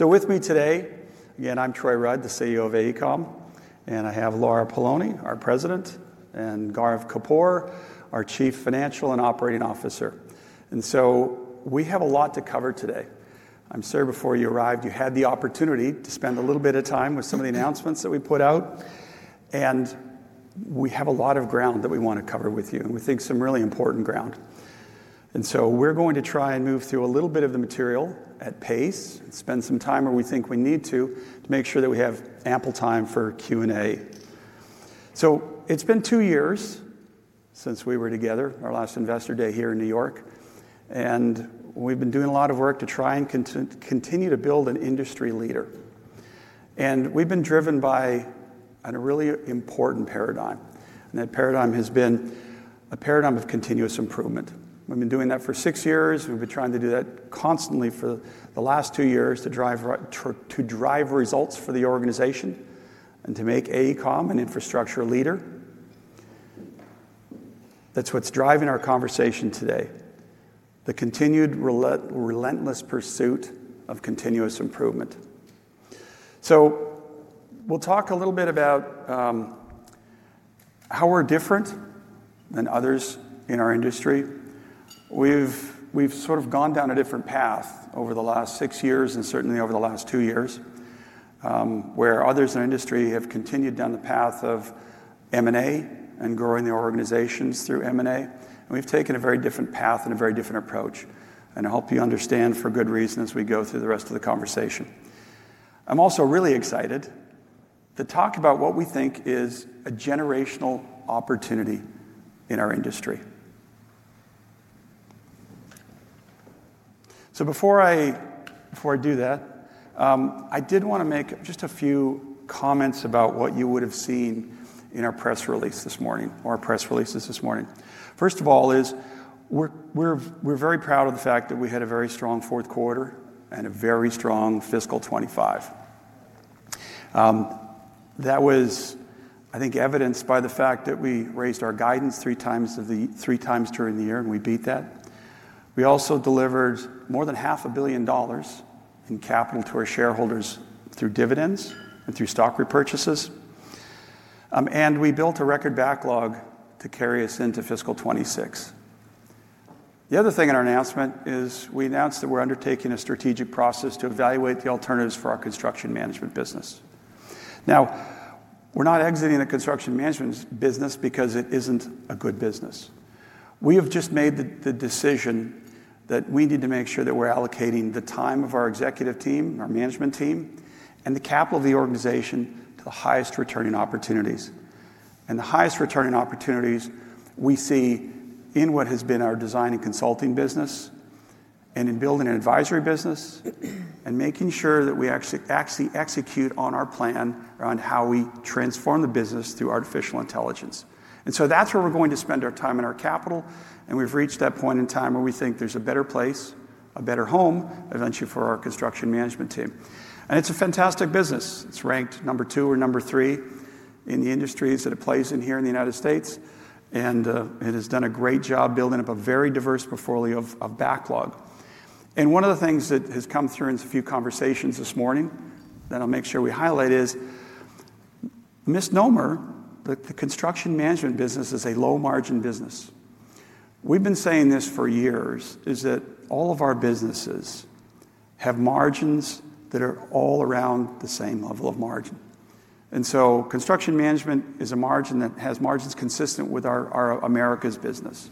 With me today, again, I'm Troy Rudd, the CEO of AECOM, and I have Lara Poloni, our President, and Gaurav Kapoor, our Chief Financial and Operating Officer. We have a lot to cover today. I'm sure before you arrived, you had the opportunity to spend a little bit of time with some of the announcements that we put out, and we have a lot of ground that we want to cover with you, and we think some really important ground. We're going to try and move through a little bit of the material at pace, spend some time where we think we need to, to make sure that we have ample time for Q&A. It's been two years since we were together, our last Investor Day here in New York, and we've been doing a lot of work to try and continue to build an industry leader. We've been driven by a really important paradigm, and that paradigm has been a paradigm of continuous improvement. We've been doing that for six years, and we've been trying to do that constantly for the last two years to drive results for the organization and to make AECOM an Infrastructure leader. That's what's driving our conversation today: the continued, relentless pursuit of continuous improvement. We'll talk a little bit about how we're different than others in our industry. We've sort of gone down a different path over the last six years and certainly over the last two years, where others in our industry have continued down the path of M&A and growing their organizations through M&A, and we've taken a very different path and a very different approach, and I hope you understand for good reason as we go through the rest of the conversation. I'm also really excited to talk about what we think is a generational opportunity in our industry. Before I do that, I did want to make just a few comments about what you would have seen in our press release this morning, or our press releases this morning. First of all, we're very proud of the fact that we had a very strong fourth quarter and a very strong fiscal 2025. That was, I think, evidenced by the fact that we raised our guidance 3x during the year, and we beat that. We also delivered more than $500,000,000 in capital to our shareholders through dividends and through stock repurchases, and we built a record backlog to carry us into fiscal 2026. The other thing in our announcement is we announced that we're undertaking a strategic process to evaluate the alternatives for our Construction Management business. Now, we're not exiting the Construction Management business because it isn't a good business. We have just made the decision that we need to make sure that we're allocating the time of our Executive team, our management team, and the capital of the organization to the highest returning opportunities. The highest returning opportunities we see are in what has been our design and consulting business, and in building an Advisory business, and making sure that we actually execute on our plan around how we transform the business through artificial intelligence. That is where we are going to spend our time and our capital, and we have reached that point in time where we think there is a better place, a better home eventually for our Construction Management team. It is a fantastic business. It is ranked number two or number three in the industries that it plays in here in the United States, and it has done a great job building up a very diverse portfolio of backlog. One of the things that has come through in a few conversations this morning that I will make sure we highlight is people misnomer the Construction Management business as a low-margin business. We've been saying this for years is that all of our businesses have margins that are all around the same level of margin. Construction Management is a margin that has margins consistent with our Americas business.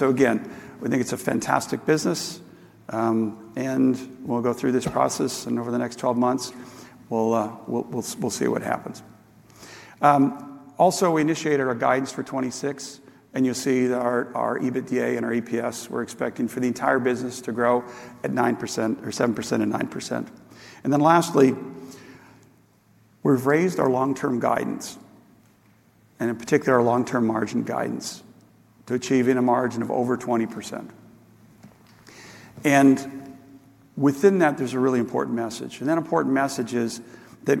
Again, we think it's a fantastic business, and we'll go through this process, and over the next 12 months, we'll see what happens. Also, we initiated our guidance for 2026, and you'll see our EBITDA and our EPS, we're expecting for the entire business to grow at 9% or 7% and 9%. Lastly, we've raised our long-term guidance, and in particular, our long-term margin guidance to achieving a margin of over 20%. Within that, there's a really important message. That important message is that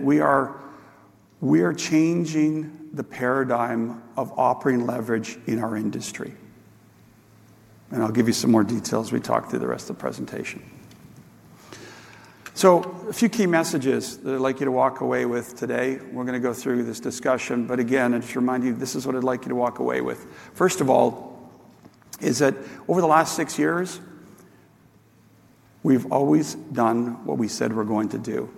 we are changing the paradigm of operating leverage in our industry. I'll give you some more details as we talk through the rest of the presentation. A few key messages that I'd like you to walk away with today. We're going to go through this discussion, but again, I just remind you this is what I'd like you to walk away with. First of all, over the last six years, we've always done what we said we're going to do.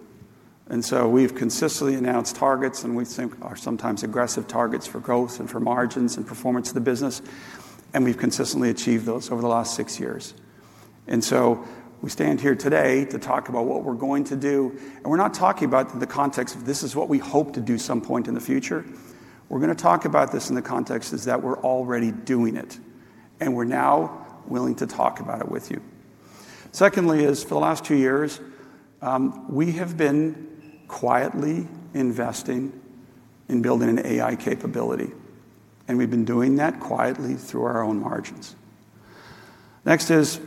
We've consistently announced targets, and we think are sometimes aggressive targets for growth and for margins and performance of the business, and we've consistently achieved those over the last six years. We stand here today to talk about what we're going to do, and we're not talking about it in the context of this is what we hope to do at some point in the future. We're going to talk about this in the context that we're already doing it, and we're now willing to talk about it with you. Secondly, for the last two years, we have been quietly investing in building an AI capability, and we've been doing that quietly through our own margins. Next, as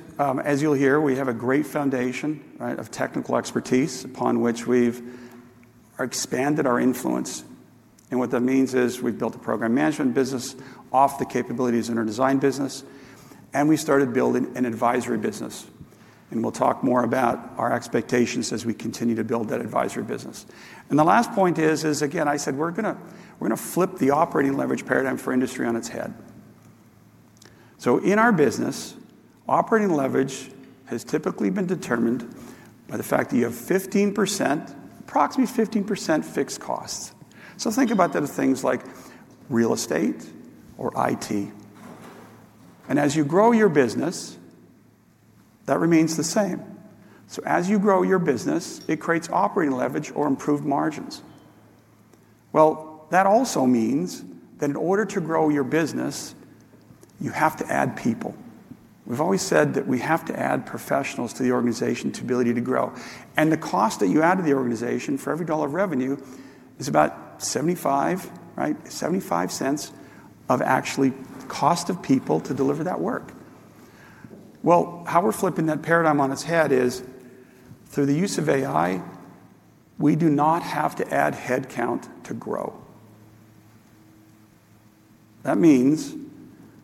you'll hear, we have a great foundation of technical expertise upon which we've expanded our influence, and what that means is we've built a Program Management business off the capabilities in our Design business, and we started building an Advisory business, and we'll talk more about our expectations as we continue to build that Advisory business. The last point is, again, I said we're going to flip the operating leverage paradigm for industry on its head. In our business, operating leverage has typically been determined by the fact that you have 15%, approximately 15% fixed costs. Think about that as things like real estate or IT. As you grow your business, that remains the same. As you grow your business, it creates operating leverage or improved margins. That also means that in order to grow your business, you have to add people. We've always said that we have to add professionals to the organization to ability to grow, and the cost that you add to the organization for every dollar of revenue is about $0.75 of actually the cost of people to deliver that work. How we're flipping that paradigm on its head is through the use of AI, we do not have to add headcount to grow. That means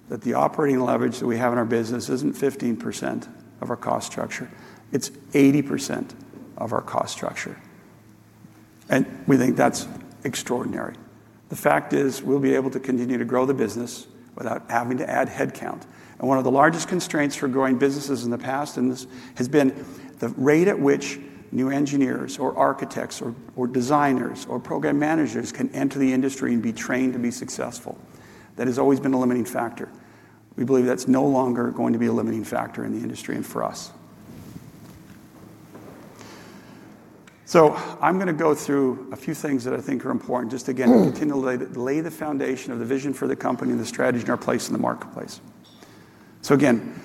that the operating leverage that we have in our business isn't 15% of our cost structure. It's 80% of our cost structure. We think that's extraordinary. The fact is we'll be able to continue to grow the business without having to add headcount. One of the largest constraints for growing businesses in the past, and this has been the rate at which new engineers or architects or designers or program managers can enter the industry and be trained to be successful. That has always been a limiting factor. We believe that's no longer going to be a limiting factor in the industry and for us. I'm going to go through a few things that I think are important just to, again, continue to lay the foundation of the vision for the company and the strategy in our place in the marketplace. Again,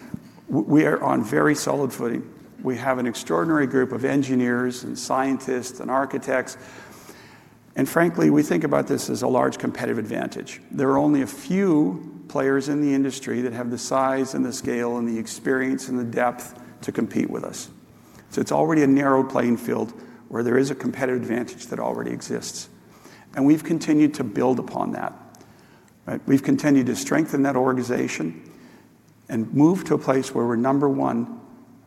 we are on very solid footing. We have an extraordinary group of engineers and scientists and architects, and frankly, we think about this as a large competitive advantage. There are only a few players in the industry that have the size and the scale and the experience and the depth to compete with us. It is already a narrow playing field where there is a competitive advantage that already exists, and we've continued to build upon that. We've continued to strengthen that organization and move to a place where we're number one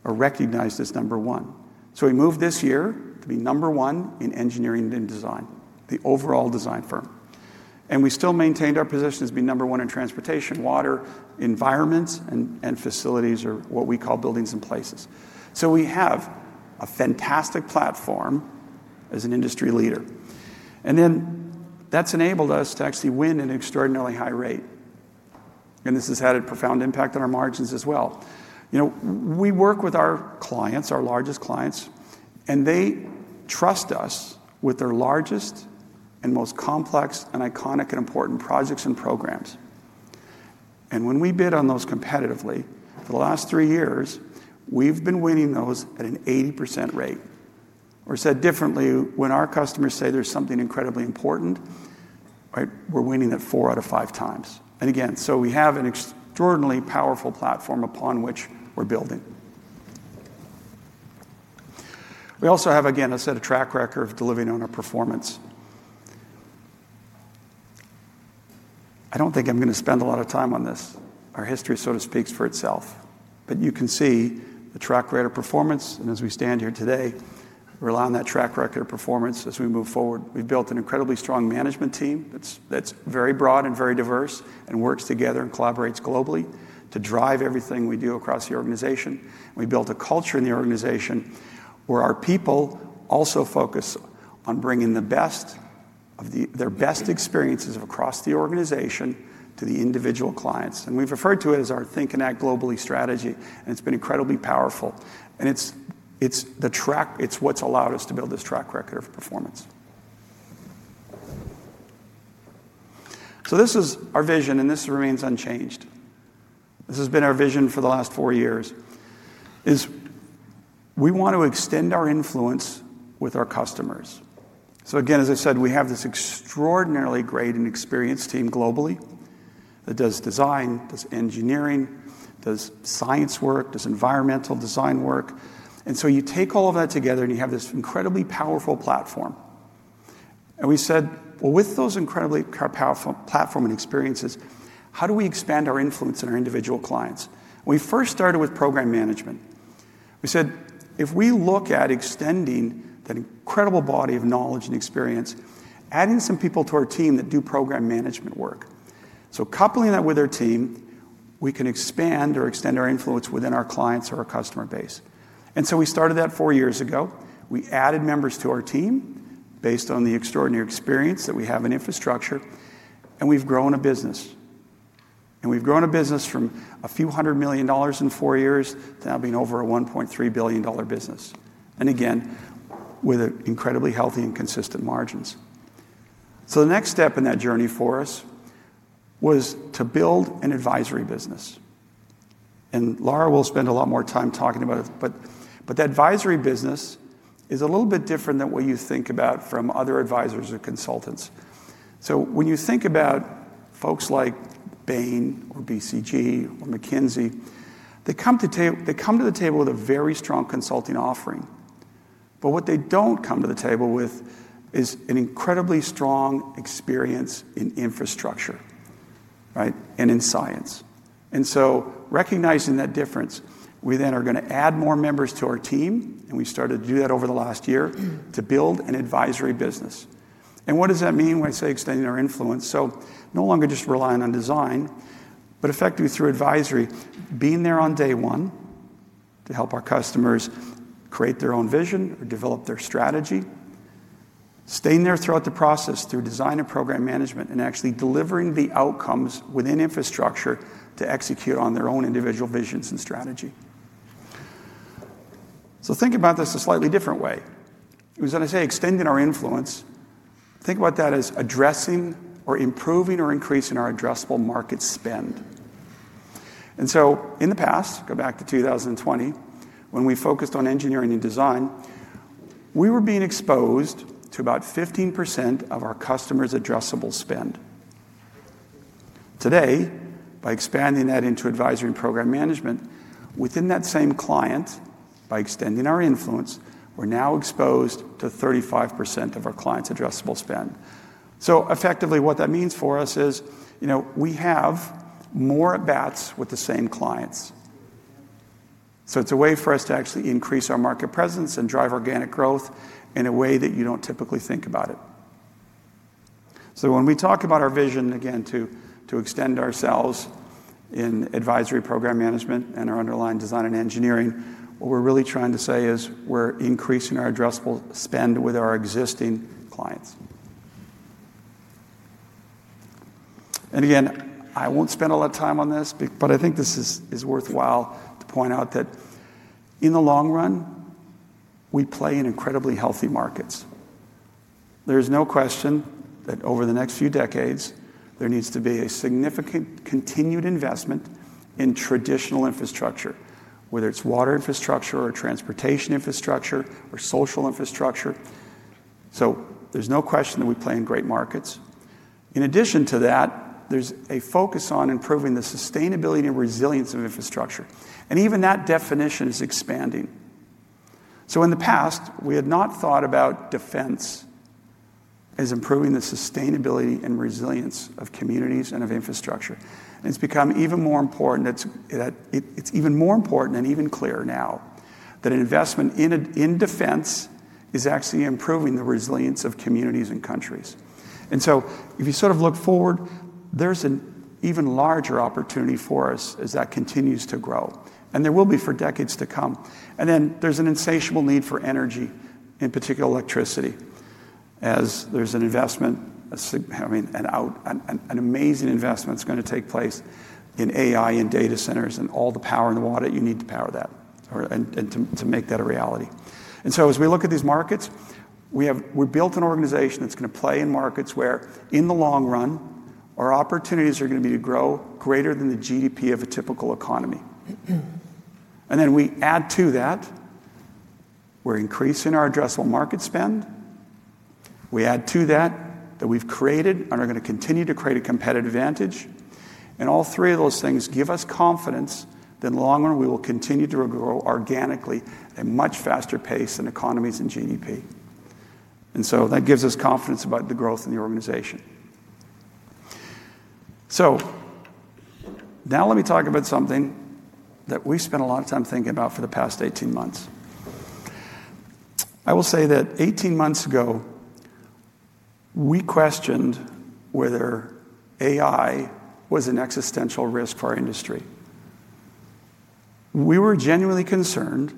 or recognized as number one. We moved this year to be number one in engineering and in design, the overall design firm. We still maintained our position as being number one in transportation, water, environments, and facilities or what we call buildings and places. We have a fantastic platform as an industry leader. That has enabled us to actually win at an extraordinarily high rate, and this has had a profound impact on our margins as well. We work with our clients, our largest clients, and they trust us with their largest and most complex and iconic and important projects and programs. When we bid on those competitively, for the last three years, we have been winning those at an 80% rate. Or said differently, when our customers say there is something incredibly important, we are winning that 4x out of 5x We have an extraordinarily powerful platform upon which we are building. We also have, again, a set of track record of delivering on our performance. I do not think I am going to spend a lot of time on this. Our history, so to speak, speaks for itself, but you can see the track record of performance, and as we stand here today, rely on that track record of performance as we move forward. We have built an incredibly strong management team that's very broad and very diverse and works together and collaborates globally to drive everything we do across the organization. We have built a culture in the organization where our people also focus on bringing the best of their best experiences across the organization to the individual clients. We have referred to it as our Think and Act Globally strategy, and it has been incredibly powerful. It is what has allowed us to build this track record of performance. This is our vision, and this remains unchanged. This has been our vision for the last four years is we want to extend our influence with our customers. Again, as I said, we have this extraordinarily great and experienced team globally that does design, does engineering, does science work, does environmental design work. You take all of that together and you have this incredibly powerful platform. We said, with those incredibly powerful platform and experiences, how do we expand our influence in our individual clients? We first started with Program Management. We said, if we look at extending that incredible body of knowledge and experience, adding some people to our team that do Program Management work, coupling that with our team, we can expand or extend our influence within our clients or our customer base. We started that four years ago. We added members to our team based on the extraordinary experience that we have in Infrastructure, and we've grown a business. We have grown a business from a few hundred million dollars in four years to now being over a $1.3 billion business. Again, with incredibly healthy and consistent margins. The next step in that journey for us was to build an Advisory business. Lara will spend a lot more time talking about it, but the Advisory business is a little bit different than what you think about from other advisors or consultants. When you think about folks like Bain or BCG or McKinsey, they come to the table with a very strong consulting offering, but what they do not come to the table with is an incredibly strong experience in Infrastructure and in science. Recognizing that difference, we then are going to add more members to our team, and we started to do that over the last year to build an advisory business. What does that mean when I say extending our influence? No longer just relying on design, but effectively through Advisory, being there on day one to help our customers create their own vision or develop their strategy, staying there throughout the process through Design and Program Management, and actually delivering the outcomes within Infrastructure to execute on their own individual visions and strategy. Think about this a slightly different way. It was, as I say, extending our influence. Think about that as addressing or improving or increasing our addressable market spend. In the past, go back to 2020, when we focused on engineering and design, we were being exposed to about 15% of our customers' addressable spend. Today, by expanding that into Advisory and Program Management within that same client, by extending our influence, we're now exposed to 35% of our clients' addressable spend. Effectively, what that means for us is we have more bats with the same clients. It is a way for us to actually increase our market presence and drive organic growth in a way that you do not typically think about it. When we talk about our vision, again, to extend ourselves in Advisory Program Management and our underlying Design and Engineering, what we are really trying to say is we are increasing our addressable spend with our existing clients. Again, I will not spend a lot of time on this, but I think this is worthwhile to point out that in the long run, we play in incredibly healthy markets. There is no question that over the next few decades, there needs to be a significant continued investment in Traditional Infrastructure, whether it is Water Infrastructure or Transportation Infrastructure or Social Infrastructure. There is no question that we play in great markets. In addition to that, there is a focus on improving the sustainability and resilience of Infrastructure. Even that definition is expanding. In the past, we had not thought about defense as improving the sustainability and resilience of communities and of Infrastructure. It has become even more important. It is even more important and even clearer now that investment in defense is actually improving the resilience of communities and countries. If you sort of look forward, there is an even larger opportunity for us as that continues to grow, and there will be for decades to come. There is an insatiable need for energy, in particular electricity, as there is an investment, I mean, an amazing investment that is going to take place in AI and data centers and all the power and the water that you need to power that and to make that a reality. As we look at these markets, we have built an organization that is going to play in markets where, in the long run, our opportunities are going to be to grow greater than the GDP of a typical economy. We add to that, we are increasing our addressable market spend. We add to that that we have created and are going to continue to create a competitive advantage. All three of those things give us confidence that in the long run, we will continue to grow organically at a much faster pace than economies and GDP. That gives us confidence about the growth in the organization. Now let me talk about something that we spent a lot of time thinking about for the past 18 months. I will say that 18 months ago, we questioned whether AI was an existential risk for our industry. We were genuinely concerned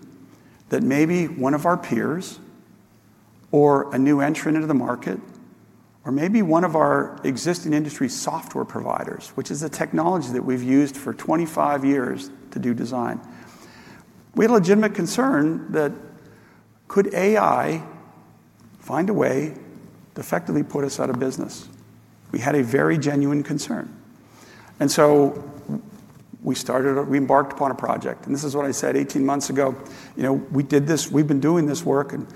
that maybe one of our peers or a new entrant into the market or maybe one of our existing industry software providers, which is the technology that we've used for 25 years to do design, we had a legitimate concern that could AI find a way to effectively put us out of business. We had a very genuine concern. We embarked upon a project. This is what I said 18 months ago. We did this. We've been doing this work, and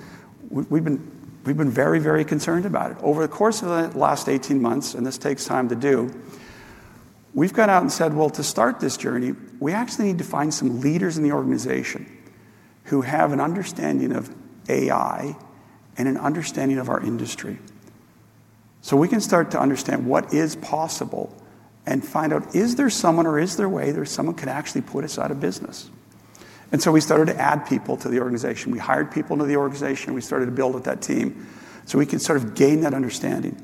we've been very, very concerned about it. Over the course of the last 18 months, and this takes time to do, we've gone out and said, to start this journey, we actually need to find some leaders in the organization who have an understanding of AI and an understanding of our industry so we can start to understand what is possible and find out, is there someone or is there a way there's someone who can actually put us out of business? We started to add people to the organization. We hired people into the organization. We started to build with that team so we could sort of gain that understanding.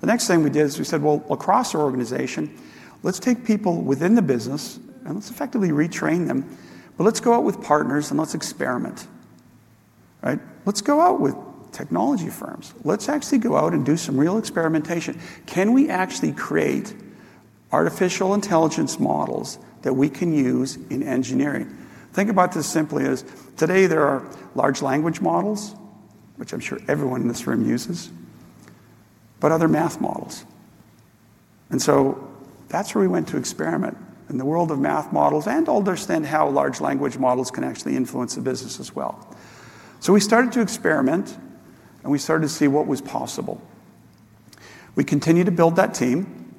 The next thing we did is we said, across our organization, let's take people within the business and let's effectively retrain them, but let's go out with partners and let's experiment. Let's go out with technology firms. Let's actually go out and do some real experimentation. Can we actually create artificial intelligence models that we can use in engineering? Think about this simply as today there are large language models, which I'm sure everyone in this room uses, but other math models. That's where we went to experiment in the world of math models and understand how large language models can actually influence the business as well. We started to experiment, and we started to see what was possible. We continued to build that team.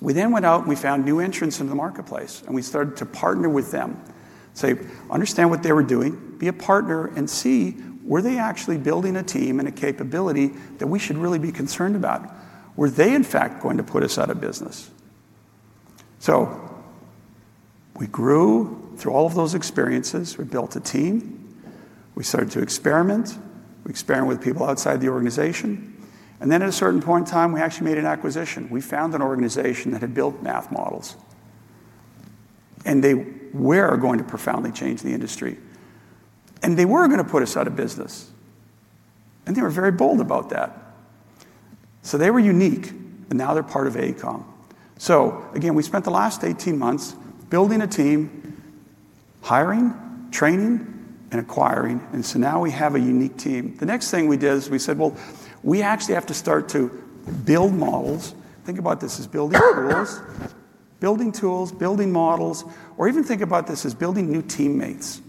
We then went out and we found new entrants in the marketplace, and we started to partner with them, say, understand what they were doing, be a partner, and see were they actually building a team and a capability that we should really be concerned about? Were they, in fact, going to put us out of business? We grew through all of those experiences. We built a team. We started to experiment. We experimented with people outside the organization. At a certain point in time, we actually made an acquisition. We found an organization that had built math models, and they were going to profoundly change the industry. They were going to put us out of business. They were very bold about that. They were unique, and now they're part of AECOM. We spent the last 18 months building a team, hiring, training, and acquiring. Now we have a unique team. The next thing we did is we said we actually have to start to build models. Think about this as building tools, building tools, building models, or even think about this as building new teammates,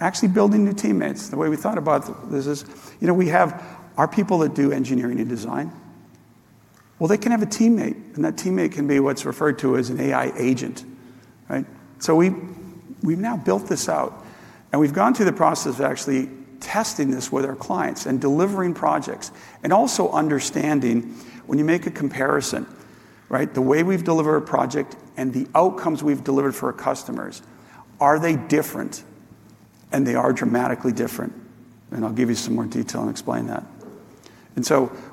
actually building new teammates. The way we thought about this is we have our people that do engineering and design. They can have a teammate, and that teammate can be what's referred to as an AI agent. We have now built this out, and we have gone through the process of actually testing this with our clients and delivering projects and also understanding when you make a comparison, the way we have delivered a project and the outcomes we have delivered for our customers, are they different? They are dramatically different. I'll give you some more detail and explain that.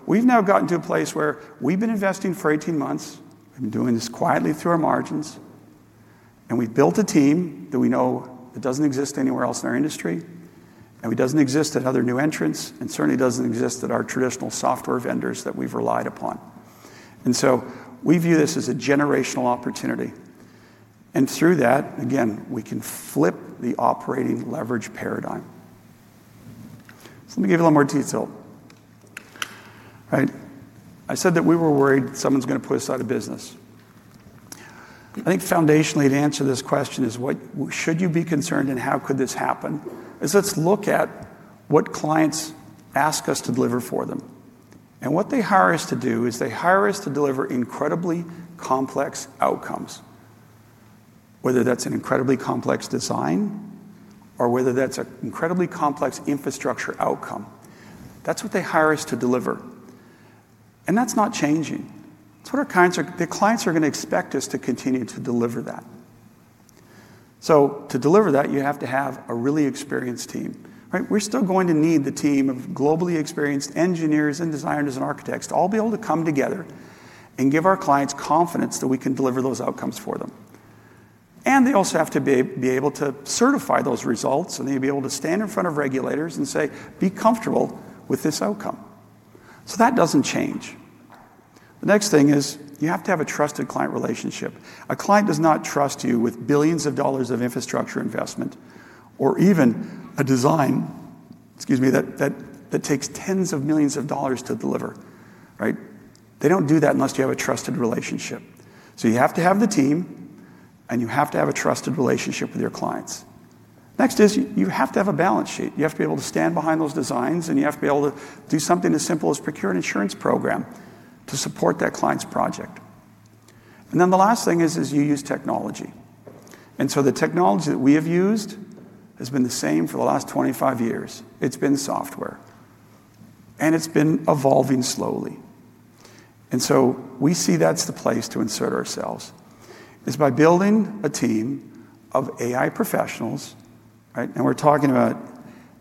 We have now gotten to a place where we have been investing for 18 months. We've been doing this quietly through our margins, and we've built a team that we know that doesn't exist anywhere else in our industry, and it doesn't exist at other new entrants, and certainly doesn't exist at our traditional software vendors that we've relied upon. We view this as a generational opportunity. Through that, again, we can flip the operating leverage paradigm. Let me give you a little more detail. I said that we were worried someone's going to put us out of business. I think foundationally, to answer this question is, should you be concerned and how could this happen? Let's look at what clients ask us to deliver for them. What they hire us to do is they hire us to deliver incredibly complex outcomes, whether that's an incredibly complex design or whether that's an incredibly complex Infrastructure outcome. That's what they hire us to deliver. That's not changing. The clients are going to expect us to continue to deliver that. To deliver that, you have to have a really experienced team. We're still going to need the team of globally experienced engineers and designers and architects to all be able to come together and give our clients confidence that we can deliver those outcomes for them. They also have to be able to certify those results, and they have to be able to stand in front of regulators and say, "Be comfortable with this outcome." That doesn't change. The next thing is you have to have a trusted client relationship. A client does not trust you with billions of dollars of Infrastructure investment or even a design, excuse me, that takes tens of millions of dollars to deliver. They don't do that unless you have a trusted relationship. You have to have the team, and you have to have a trusted relationship with your clients. Next is you have to have a balance sheet. You have to be able to stand behind those designs, and you have to be able to do something as simple as procure an insurance program to support that client's project. The last thing is you use technology. The technology that we have used has been the same for the last 25 years. It's been software, and it's been evolving slowly. We see that's the place to insert ourselves is by building a team of AI professionals. We're talking about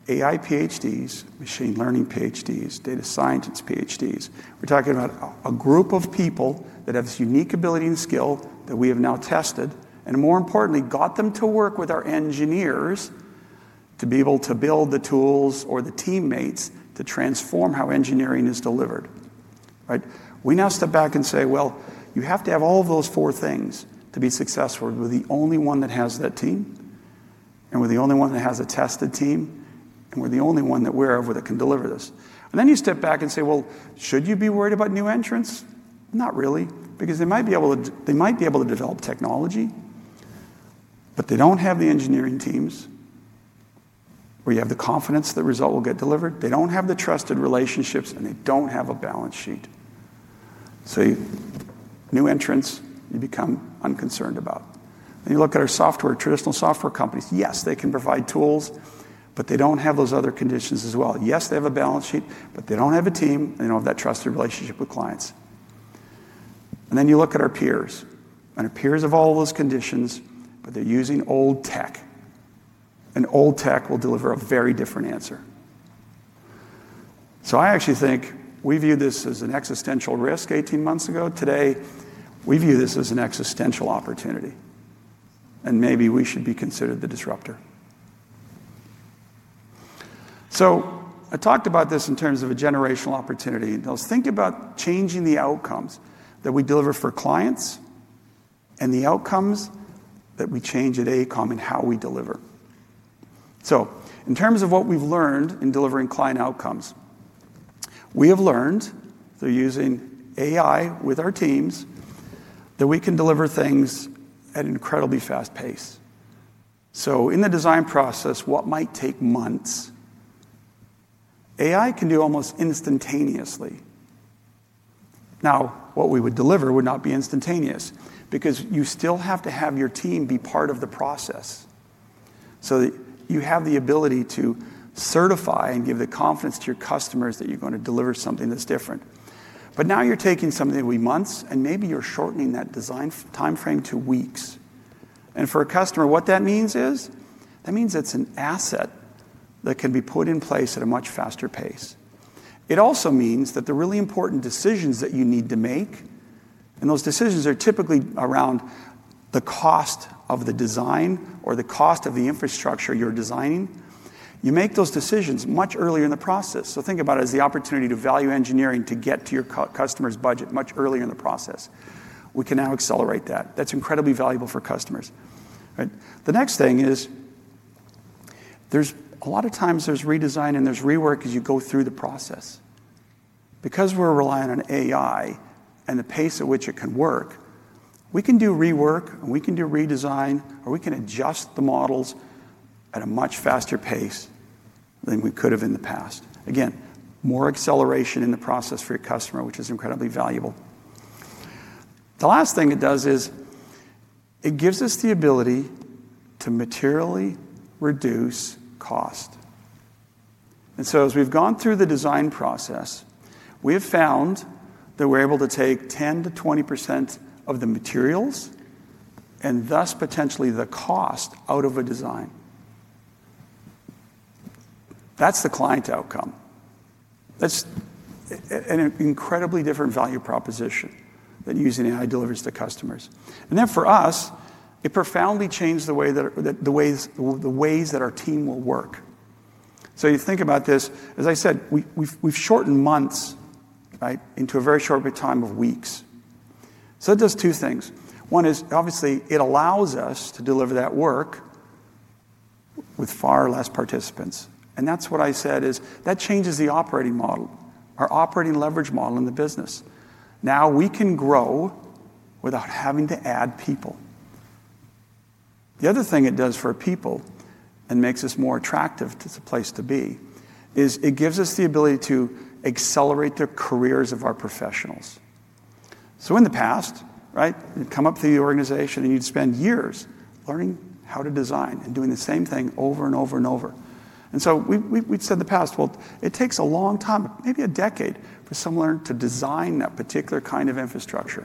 AI PhDs, machine learning PhDs, data scientists PhDs. We're talking about a group of people that have this unique ability and skill that we have now tested and, more importantly, got them to work with our engineers to be able to build the tools or the teammates to transform how engineering is delivered. We now step back and say, "You have to have all of those four things to be successful. We're the only one that has that team, and we're the only one that has a tested team, and we're the only one that we're over that can deliver this." You step back and say, "Should you be worried about new entrants? Not really, because they might be able to develop technology, but they don't have the engineering teams where you have the confidence that the result will get delivered. They don't have the trusted relationships, and they don't have a balance sheet. New entrants, you become unconcerned about. You look at our traditional software companies. Yes, they can provide tools, but they don't have those other conditions as well. Yes, they have a balance sheet, but they don't have a team, and they don't have that trusted relationship with clients. You look at our peers. Our peers have all those conditions, but they're using old tech. Old tech will deliver a very different answer. I actually think we viewed this as an existential risk 18 months ago. Today, we view this as an existential opportunity, and maybe we should be considered the disruptor. I talked about this in terms of a generational opportunity. Now, let's think about changing the outcomes that we deliver for clients and the outcomes that we change at AECOM and how we deliver. In terms of what we've learned in delivering client outcomes, we have learned through using AI with our teams that we can deliver things at an incredibly fast pace. In the Design process, what might take months, AI can do almost instantaneously. What we would deliver would not be instantaneous because you still have to have your team be part of the process so that you have the ability to certify and give the confidence to your customers that you're going to deliver something that's different. Now you're taking something that would be months, and maybe you're shortening that design timeframe to weeks. For a customer, what that means is that means it's an asset that can be put in place at a much faster pace. It also means that the really important decisions that you need to make, and those decisions are typically around the cost of the design or the cost of the Infrastructure you're designing, you make those decisions much earlier in the process. Think about it as the opportunity to value engineering to get to your customer's budget much earlier in the process. We can now accelerate that. That's incredibly valuable for customers. The next thing is there's a lot of times there's redesign and there's rework as you go through the process. Because we're reliant on AI and the pace at which it can work, we can do rework, and we can do redesign, or we can adjust the models at a much faster pace than we could have in the past. Again, more acceleration in the process for your customer, which is incredibly valuable. The last thing it does is it gives us the ability to materially reduce cost. And as we've gone through the design process, we have found that we're able to take 10%-20% of the materials and thus potentially the cost out of a design. That's the client outcome. That's an incredibly different value proposition than using AI deliveries to customers. And then for us, it profoundly changed the ways that our team will work. You think about this. As I said, we've shortened months into a very short time of weeks. It does two things. One is, obviously, it allows us to deliver that work with far less participants. That changes the operating model, our operating leverage model in the business. Now we can grow without having to add people. The other thing it does for people and makes us more attractive to the place to be is it gives us the ability to accelerate the careers of our professionals. In the past, you'd come up through the organization, and you'd spend years learning how to design and doing the same thing over and over and over. We said in the past, well, it takes a long time, maybe a decade, for someone to design that particular kind of Infrastructure.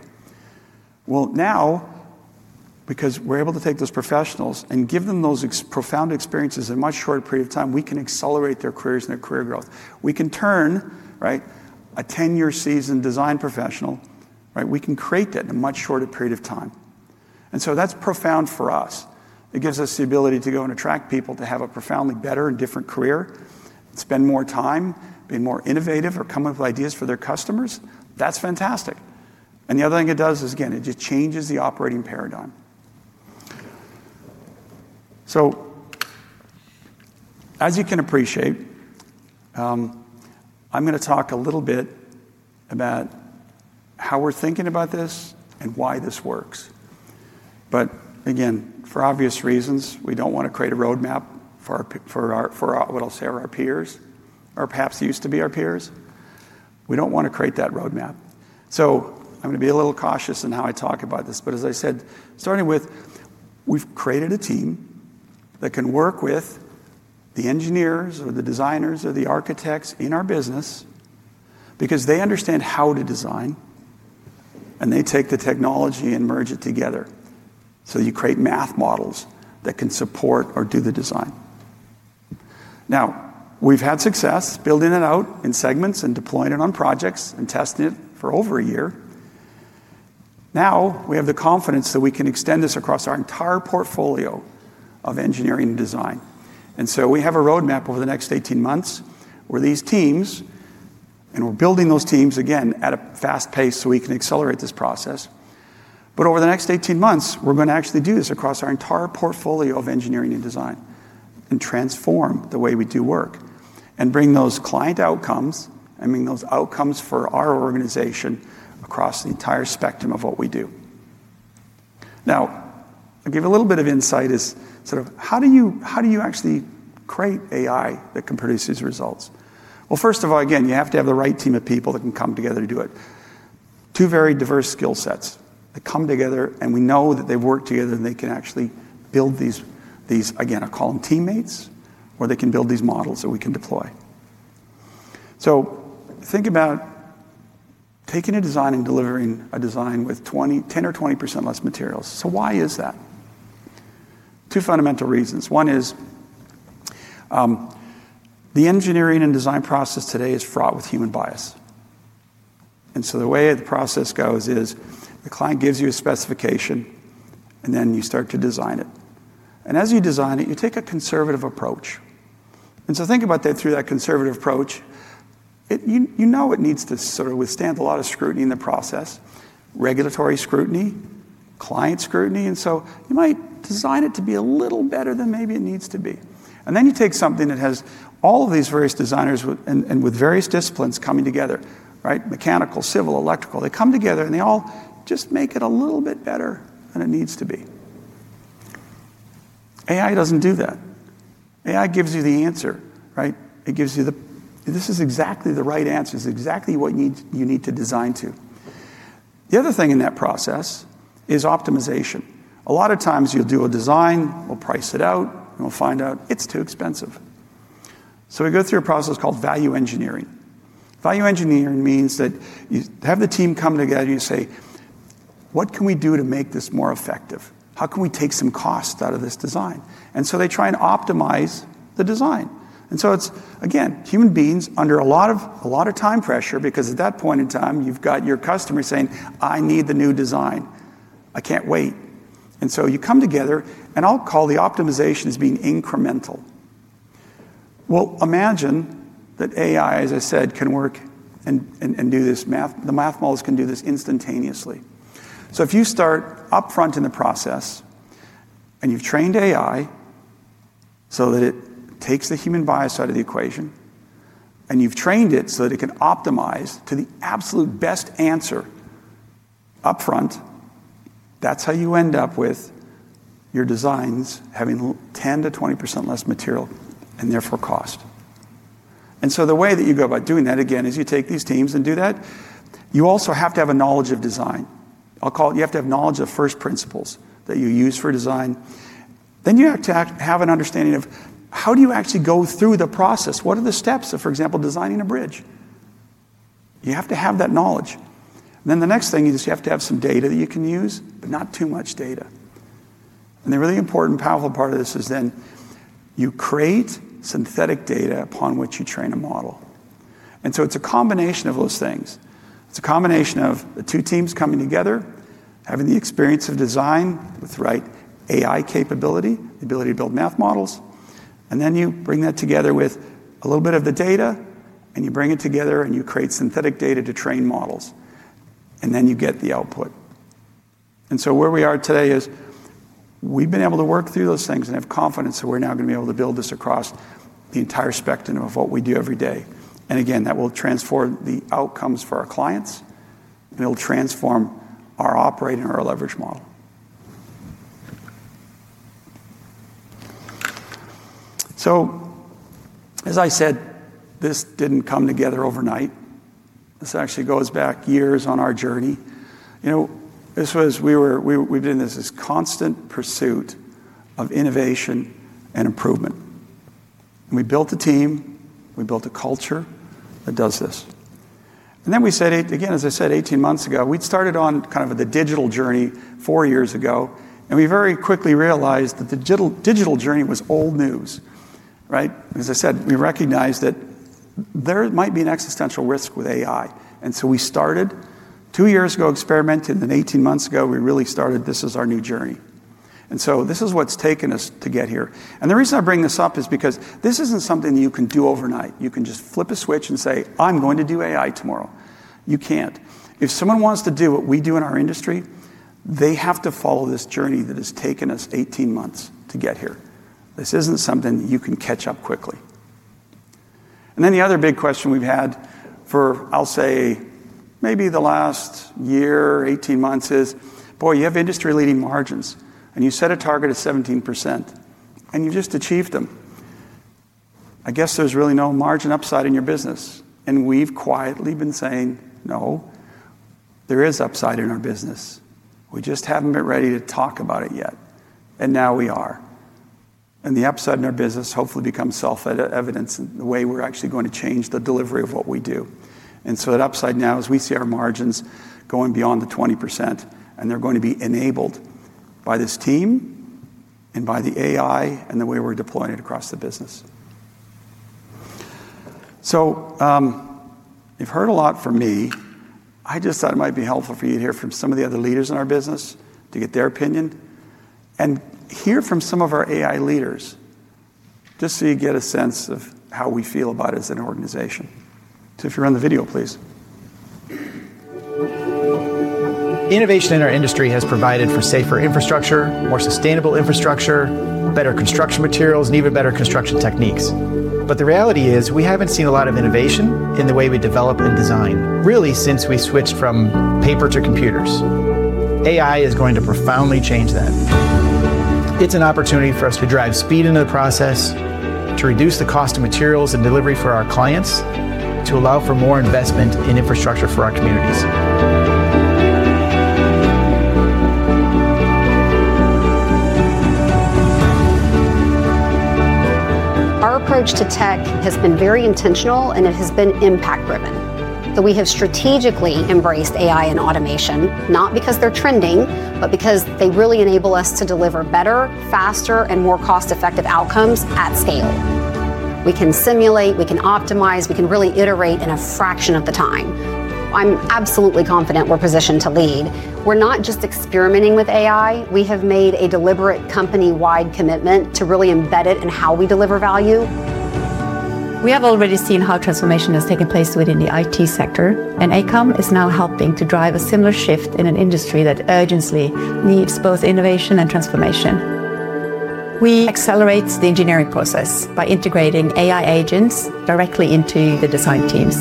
Because we're able to take those professionals and give them those profound experiences in a much shorter period of time, we can accelerate their careers and their career growth. We can turn a 10-year seasoned design professional, we can create that in a much shorter period of time. That is profound for us. It gives us the ability to go and attract people to have a profoundly better and different career, spend more time, be more innovative, or come up with ideas for their customers. That's fantastic. The other thing it does is, again, it just changes the operating paradigm. As you can appreciate, I'm going to talk a little bit about how we're thinking about this and why this works. For obvious reasons, we do not want to create a roadmap for what I'll say are our peers or perhaps used to be our peers. We do not want to create that roadmap. I am going to be a little cautious in how I talk about this. As I said, starting with we've created a team that can work with the engineers or the designers or the architects in our business because they understand how to design, and they take the technology and merge it together. You create math models that can support or do the design. We have had success building it out in segments and deploying it on projects and testing it for over a year. Now we have the confidence that we can extend this across our entire portfolio of Engineering Design. We have a roadmap over the next 18 months where these teams, and we're building those teams again at a fast pace so we can accelerate this process. Over the next 18 months, we're going to actually do this across our entire portfolio of Engineering and Design and transform the way we do work and bring those client outcomes, I mean, those outcomes for our organization across the entire spectrum of what we do. I'll give you a little bit of insight as sort of how do you actually create AI that can produce these results? First of all, again, you have to have the right team of people that can come together to do it. Two very diverse skill sets that come together, and we know that they've worked together, and they can actually build these, again, I'll call them teammates, or they can build these models that we can deploy. Think about taking a design and delivering a design with 10% or 20% less materials. Why is that? Two fundamental reasons. One is the Engineering and Design process today is fraught with human bias. The way the process goes is the client gives you a specification, and then you start to design it. As you design it, you take a conservative approach. Think about that through that conservative approach. You know it needs to sort of withstand a lot of scrutiny in the process, regulatory scrutiny, client scrutiny. You might design it to be a little better than maybe it needs to be. You take something that has all of these various designers and with various disciplines coming together, mechanical, civil, electrical, they come together, and they all just make it a little bit better than it needs to be. AI does not do that. AI gives you the answer. It gives you the, "This is exactly the right answer. This is exactly what you need to design to." The other thing in that process is optimization. A lot of times you will do a design, we will price it out, and we will find out it is too expensive. We go through a process called value engineering. Value engineering means that you have the team come together, and you say, "What can we do to make this more effective? How can we take some cost out of this design?" They try and optimize the design. It is, again, human beings under a lot of time pressure because at that point in time, you have your customer saying, "I need the new design. I cannot wait." You come together, and I will call the optimizations being incremental. Imagine that AI, as I said, can work and do this. The math models can do this instantaneously. If you start upfront in the process and you have trained AI so that it takes the human bias out of the equation, and you have trained it so that it can optimize to the absolute best answer upfront, that is how you end up with your designs having 10%-20% less material and therefore cost. The way that you go about doing that, again, is you take these teams and do that. You also have to have a knowledge of design. I'll call it you have to have knowledge of first principles that you use for design. Then you have to have an understanding of how do you actually go through the process? What are the steps of, for example, designing a bridge? You have to have that knowledge. The next thing is you have to have some data that you can use, but not too much data. The really important powerful part of this is then you create synthetic data upon which you train a model. It is a combination of those things. It's a combination of the two teams coming together, having the experience of design with the right AI capability, the ability to build math models, and then you bring that together with a little bit of the data, and you bring it together, and you create synthetic data to train models, and then you get the output. Where we are today is we've been able to work through those things and have confidence that we're now going to be able to build this across the entire spectrum of what we do every day. Again, that will transform the outcomes for our clients, and it'll transform our operating or our leverage model. As I said, this didn't come together overnight. This actually goes back years on our journey. We've been in this constant pursuit of innovation and improvement. We built a team. We built a culture that does this. As I said, 18 months ago, we started on kind of the digital journey four years ago, and we very quickly realized that the digital journey was old news. As I said, we recognized that there might be an existential risk with AI. We started two years ago, experimented, and then 18 months ago, we really started this as our new journey. This is what has taken us to get here. The reason I bring this up is because this is not something that you can do overnight. You cannot just flip a switch and say, "I'm going to do AI tomorrow." You cannot. If someone wants to do what we do in our industry, they have to follow this journey that has taken us 18 months to get here. This isn't something that you can catch up quickly. The other big question we've had for, I'll say, maybe the last year, 18 months is, "Boy, you have industry-leading margins, and you set a target of 17%, and you've just achieved them. I guess there's really no margin upside in your business." We've quietly been saying, "No, there is upside in our business. We just haven't been ready to talk about it yet." Now we are. The upside in our business hopefully becomes self-evident in the way we're actually going to change the delivery of what we do. The upside now is we see our margins going beyond the 20%, and they're going to be enabled by this team and by the AI and the way we're deploying it across the business. You've heard a lot from me. I just thought it might be helpful for you to hear from some of the other leaders in our business to get their opinion and hear from some of our AI leaders just so you get a sense of how we feel about it as an organization. If you're on the video, please. Innovation in our industry has provided for safer Infrastructure, more sustainable Infrastructure, better construction materials, and even better construction techniques. The reality is we haven't seen a lot of innovation in the way we develop and design, really, since we switched from paper to computers. AI is going to profoundly change that. It's an opportunity for us to drive speed into the process, to reduce the cost of materials and delivery for our clients, to allow for more investment in Infrastructure for our communities. Our approach to tech has been very intentional, and it has been impact-driven. We have strategically embraced AI and automation, not because they're trending, but because they really enable us to deliver better, faster, and more cost-effective outcomes at scale. We can simulate, we can optimize, we can really iterate in a fraction of the time. I'm absolutely confident we're positioned to lead. We're not just experimenting with AI. We have made a deliberate company-wide commitment to really embed it in how we deliver value. We have already seen how transformation has taken place within the IT sector, and AECOM is now helping to drive a similar shift in an industry that urgently needs both innovation and transformation. We accelerate the engineering process by integrating AI agents directly into the design teams.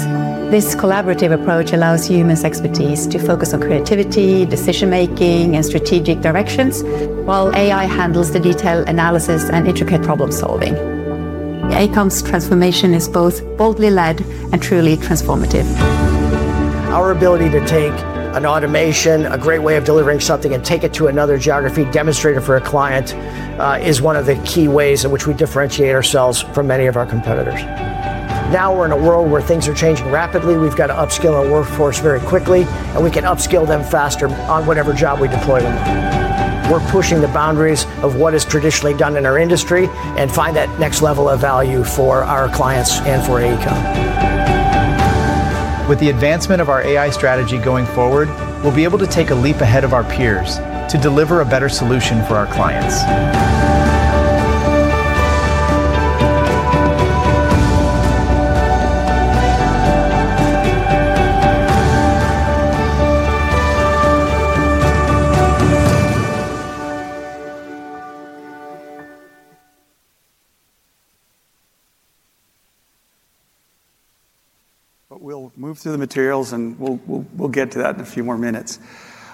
This collaborative approach allows human expertise to focus on creativity, decision-making, and strategic directions, while AI handles the detailed analysis and intricate problem-solving. AECOM's transformation is both boldly led and truly transformative. Our ability to take an automation, a great way of delivering something, and take it to another geography, demonstrate it for a client, is one of the key ways in which we differentiate ourselves from many of our competitors. Now we are in a world where things are changing rapidly. We have got to upskill our workforce very quickly, and we can upskill them faster on whatever job we deploy them. We are pushing the boundaries of what is traditionally done in our industry and find that next level of value for our clients and for AECOM. With the advancement of our AI strategy going forward, we'll be able to take a leap ahead of our peers to deliver a better solution for our clients. We'll move through the materials, and we'll get to that in a few more minutes.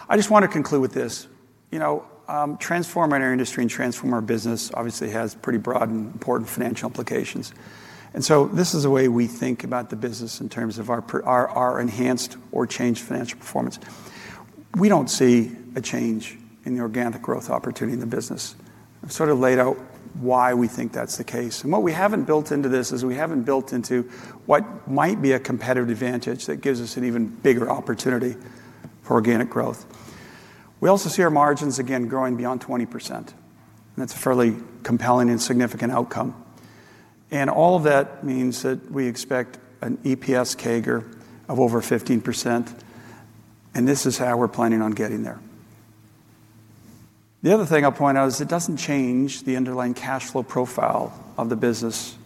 I just want to conclude with this. Transforming our industry and transforming our business obviously has pretty broad and important financial implications. This is the way we think about the business in terms of our enhanced or changed financial performance. We don't see a change in the organic growth opportunity in the business. I've sort of laid out why we think that's the case. What we haven't built into this is we haven't built into what might be a competitive advantage that gives us an even bigger opportunity for organic growth. We also see our margins, again, growing beyond 20%. That is a fairly compelling and significant outcome. All of that means that we expect an EPS CAGR of over 15%. This is how we are planning on getting there. The other thing I will point out is it does not change the underlying cash flow profile of the business.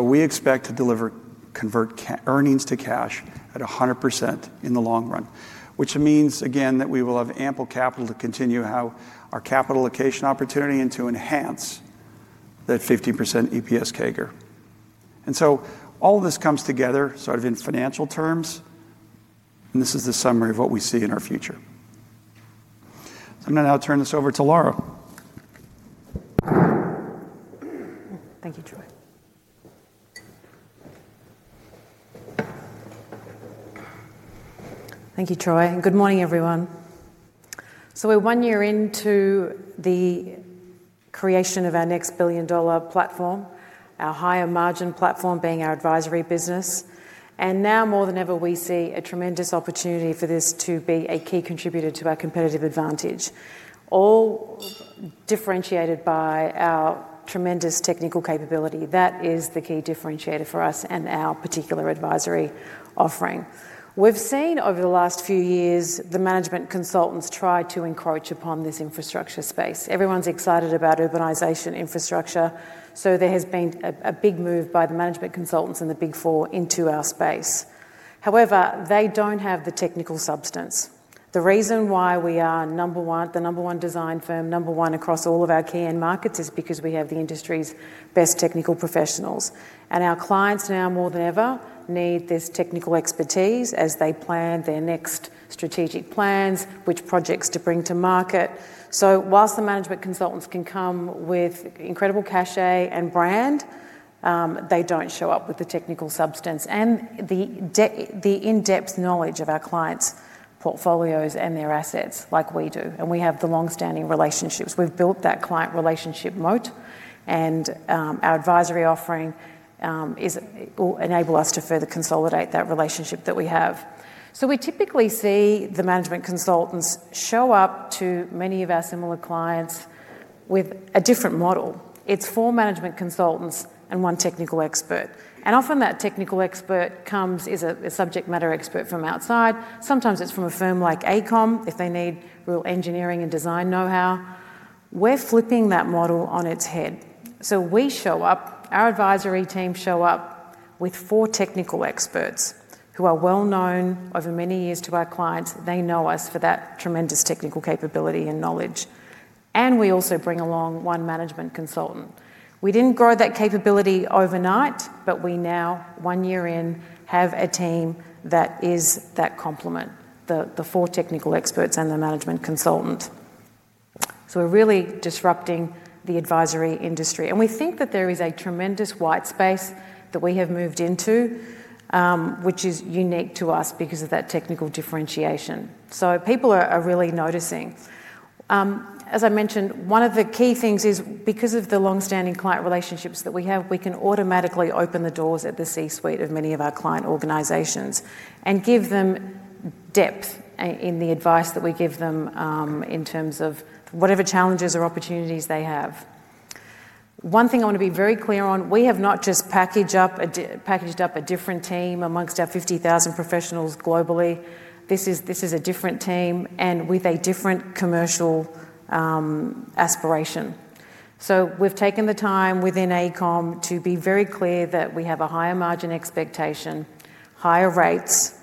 We expect to convert earnings to cash at 100% in the long run, which means, again, that we will have ample capital to continue our capital allocation opportunity and to enhance that 15% EPS CAGR. All of this comes together in financial terms. This is the summary of what we see in our future. I am going to now turn this over to Lara. Thank you, Troy. Thank you, Troy. Good morning, everyone. We are one year into the creation of our next billion-dollar platform, our higher margin platform being our Advisory business. Now more than ever, we see a tremendous opportunity for this to be a key contributor to our competitive advantage, all differentiated by our tremendous technical capability. That is the key differentiator for us and our particular Advisory offering. We've seen over the last few years the management consultants try to encroach upon this Infrastructure space. Everyone's excited about urbanization Infrastructure. There has been a big move by the management consultants and the Big 4 into our space. However, they do not have the technical substance. The reason why we are the number one design firm, number one across all of our key end markets, is because we have the industry's best technical professionals. Our clients now more than ever need this technical expertise as they plan their next strategic plans, which projects to bring to market. Whilst the management consultants can come with incredible cachet and brand, they do not show up with the technical substance and the in-depth knowledge of our clients' portfolios and their assets like we do. We have the long-standing relationships. We have built that client relationship moat, and our advisory offering will enable us to further consolidate that relationship that we have. We typically see the management consultants show up to many of our similar clients with a different model. It is four management consultants and one technical expert. Often that technical expert comes as a subject matter expert from outside. Sometimes it is from a firm like AECOM if they need real engineering and design know-how. We are flipping that model on its head. We show up. Our Advisory team show up with four technical experts who are well-known over many years to our clients. They know us for that tremendous technical capability and knowledge. We also bring along one management consultant. We did not grow that capability overnight, but we now, one year in, have a team that is that complement, the four technical experts and the management consultant. We are really disrupting the Advisory industry. We think that there is a tremendous white space that we have moved into, which is unique to us because of that technical differentiation. People are really noticing. As I mentioned, one of the key things is because of the long-standing client relationships that we have, we can automatically open the doors at the C-suite of many of our client organizations and give them depth in the advice that we give them in terms of whatever challenges or opportunities they have. One thing I want to be very clear on, we have not just packaged up a different team amongst our 50,000 professionals globally. This is a different team and with a different commercial aspiration. We have taken the time within AECOM to be very clear that we have a higher margin expectation, higher rates.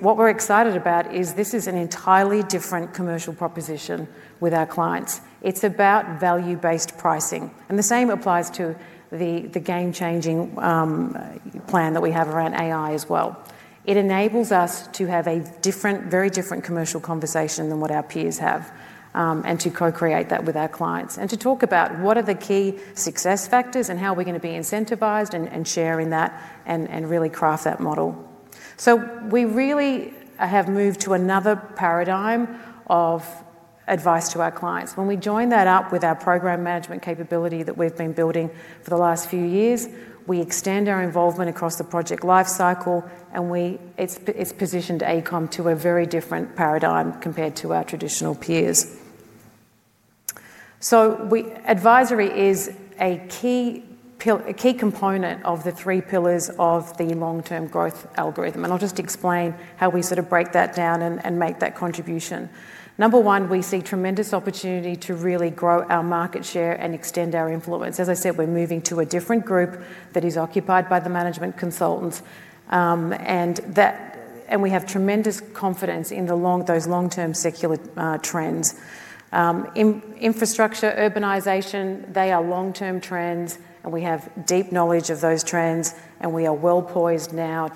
What we are excited about is this is an entirely different commercial proposition with our clients. It is about value-based pricing. The same applies to the game-changing plan that we have around AI as well. It enables us to have a very different commercial conversation than what our peers have and to co-create that with our clients and to talk about what are the key success factors and how we are going to be incentivized and share in that and really craft that model. We really have moved to another paradigm of advice to our clients. When we join that up with our Program Management capability that we've been building for the last few years, we extend our involvement across the project lifecycle, and it's positioned AECOM to a very different paradigm compared to our traditional peers. Advisory is a key component of the three pillars of the long-term growth algorithm. I'll just explain how we sort of break that down and make that contribution. Number one, we see tremendous opportunity to really grow our market share and extend our influence. As I said, we're moving to a different group that is occupied by the management consultants, and we have tremendous confidence in those long-term secular trends. Infrastructure, urbanization, they are long-term trends, and we have deep knowledge of those trends, and we are well poised now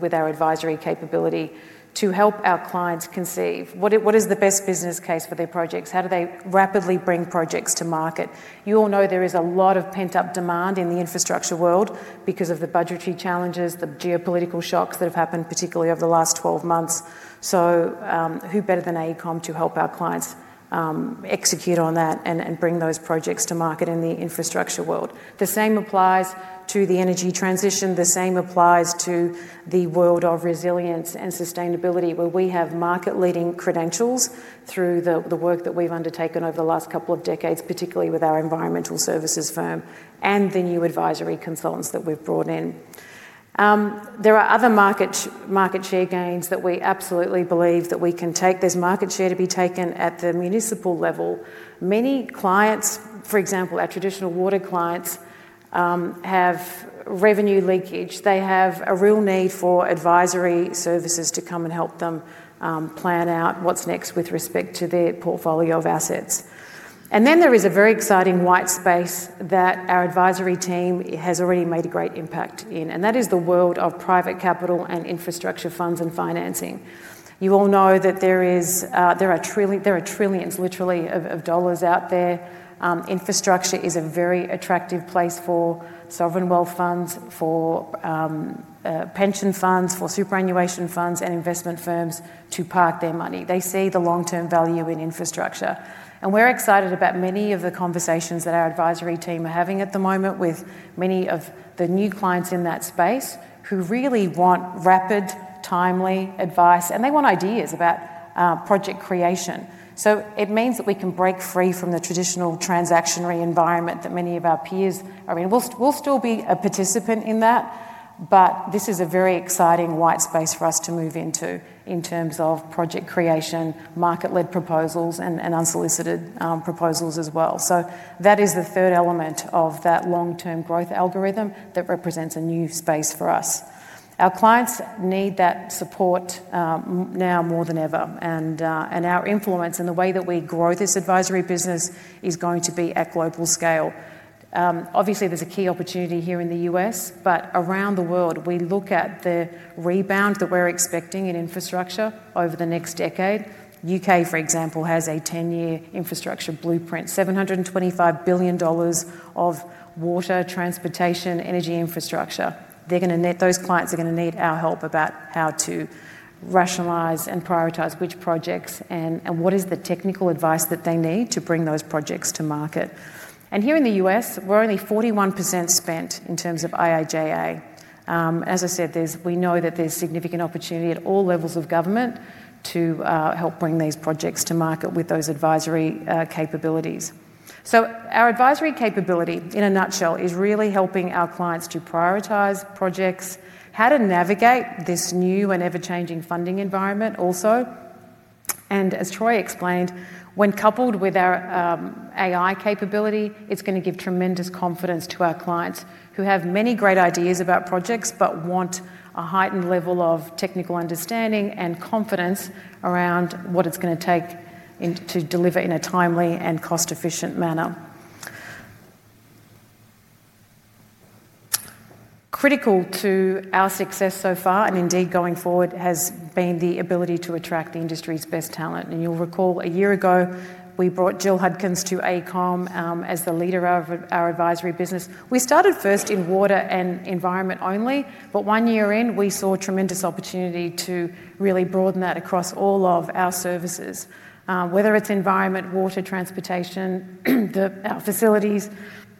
with our advisory capability to help our clients conceive. What is the best business case for their projects? How do they rapidly bring projects to market? You all know there is a lot of pent-up demand in the Infrastructure world because of the budgetary challenges, the geopolitical shocks that have happened, particularly over the last 12 months. Who better than AECOM to help our clients execute on that and bring those projects to market in the Infrastructure world? The same applies to the energy transition. The same applies to the world of resilience and sustainability, where we have market-leading credentials through the work that we've undertaken over the last couple of decades, particularly with our Environmental Services Firm and the new Advisory consultants that we've brought in. There are other market share gains that we absolutely believe that we can take. There's market share to be taken at the municipal level. Many clients, for example, our traditional water clients, have revenue leakage. They have a real need for Advisory services to come and help them plan out what's next with respect to their portfolio of assets. There is a very exciting white space that our advisory team has already made a great impact in. That is the world of private capital and Infrastructure funds and financing. You all know that there are trillions, literally, of dollars out there. Infrastructure is a very attractive place for sovereign wealth funds, for pension funds, for superannuation funds, and investment firms to park their money. They see the long-term value in Infrastructure. We're excited about many of the conversations that our advisory team are having at the moment with many of the new clients in that space who really want rapid, timely advice, and they want ideas about project creation. It means that we can break free from the traditional transactionary environment that many of our peers are in. We'll still be a participant in that, but this is a very exciting white space for us to move into in terms of project creation, market-led proposals, and unsolicited proposals as well. That is the third element of that long-term growth algorithm that represents a new space for us. Our clients need that support now more than ever. Our influence and the way that we grow this advisory business is going to be at global scale. Obviously, there's a key opportunity here in the U.S., but around the world, we look at the rebound that we're expecting in Infrastructure over the next decade. The U.K., for example, has a 10-year Infrastructure blueprint, $725 billion of water, transportation, energy Infrastructure. Those clients are going to need our help about how to rationalize and prioritize which projects and what is the technical advice that they need to bring those projects to market. Here in the U.S., we're only 41% spent in terms of IIJA. As I said, we know that there's significant opportunity at all levels of government to help bring these projects to market with those Advisory capabilities. Our Advisory capability, in a nutshell, is really helping our clients to prioritize projects, how to navigate this new and ever-changing funding environment also. As Troy explained, when coupled with our AI capability, it's going to give tremendous confidence to our clients who have many great ideas about projects but want a heightened level of technical understanding and confidence around what it's going to take to deliver in a timely and cost-efficient manner. Critical to our success so far, and indeed going forward, has been the ability to attract the industry's best talent. You'll recall a year ago, we brought Jill Hudkins to AECOM as the leader of our Advisory business. We started first in water and environment only, but one year in, we saw tremendous opportunity to really broaden that across all of our services, whether it's environment, water, transportation, or facilities.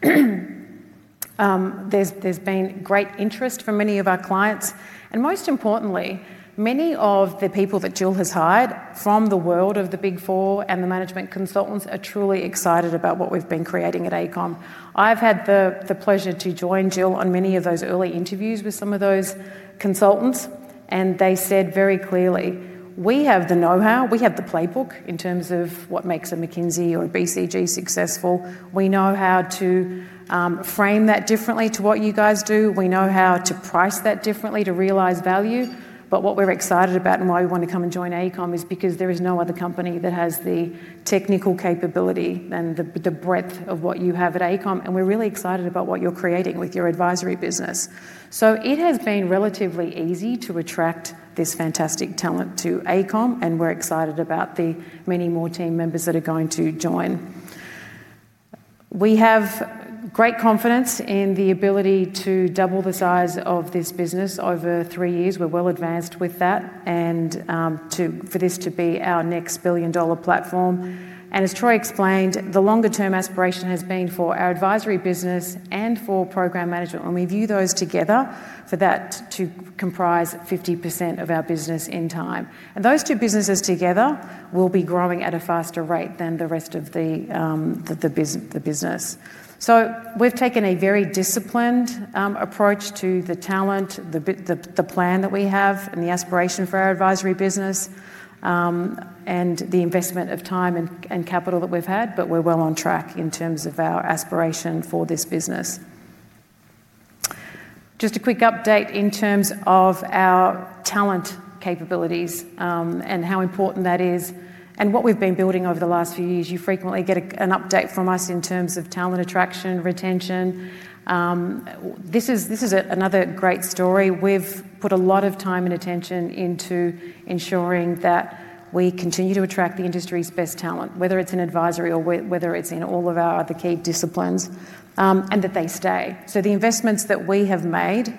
There's been great interest from many of our clients. Most importantly, many of the people that Jill has hired from the world of the Big 4 and the management consultants are truly excited about what we've been creating at AECOM. I've had the pleasure to join Jill on many of those early interviews with some of those consultants, and they said very clearly, "We have the know-how. We have the playbook in terms of what makes a McKinsey or a BCG successful. We know how to frame that differently to what you guys do. We know how to price that differently to realize value. What we're excited about and why we want to come and join AECOM is because there is no other company that has the technical capability and the breadth of what you have at AECOM. We're really excited about what you're creating with your Advisory business. It has been relatively easy to attract this fantastic talent to AECOM, and we're excited about the many more team members that are going to join. We have great confidence in the ability to double the size of this business over three years. We're well advanced with that for this to be our next billion-dollar platform. As Troy explained, the longer-term aspiration has been for our Advisory business and for Program Management. When we view those together, for that to comprise 50% of our business in time. Those two businesses together will be growing at a faster rate than the rest of the business. We have taken a very disciplined approach to the talent, the plan that we have, and the aspiration for our Advisory business and the investment of time and capital that we have had. We are well on track in terms of our aspiration for this business. Just a quick update in terms of our talent capabilities and how important that is and what we have been building over the last few years. You frequently get an update from us in terms of talent attraction and retention. This is another great story. We've put a lot of time and attention into ensuring that we continue to attract the industry's best talent, whether it's in Advisory or whether it's in all of our other key disciplines, and that they stay. The investments that we have made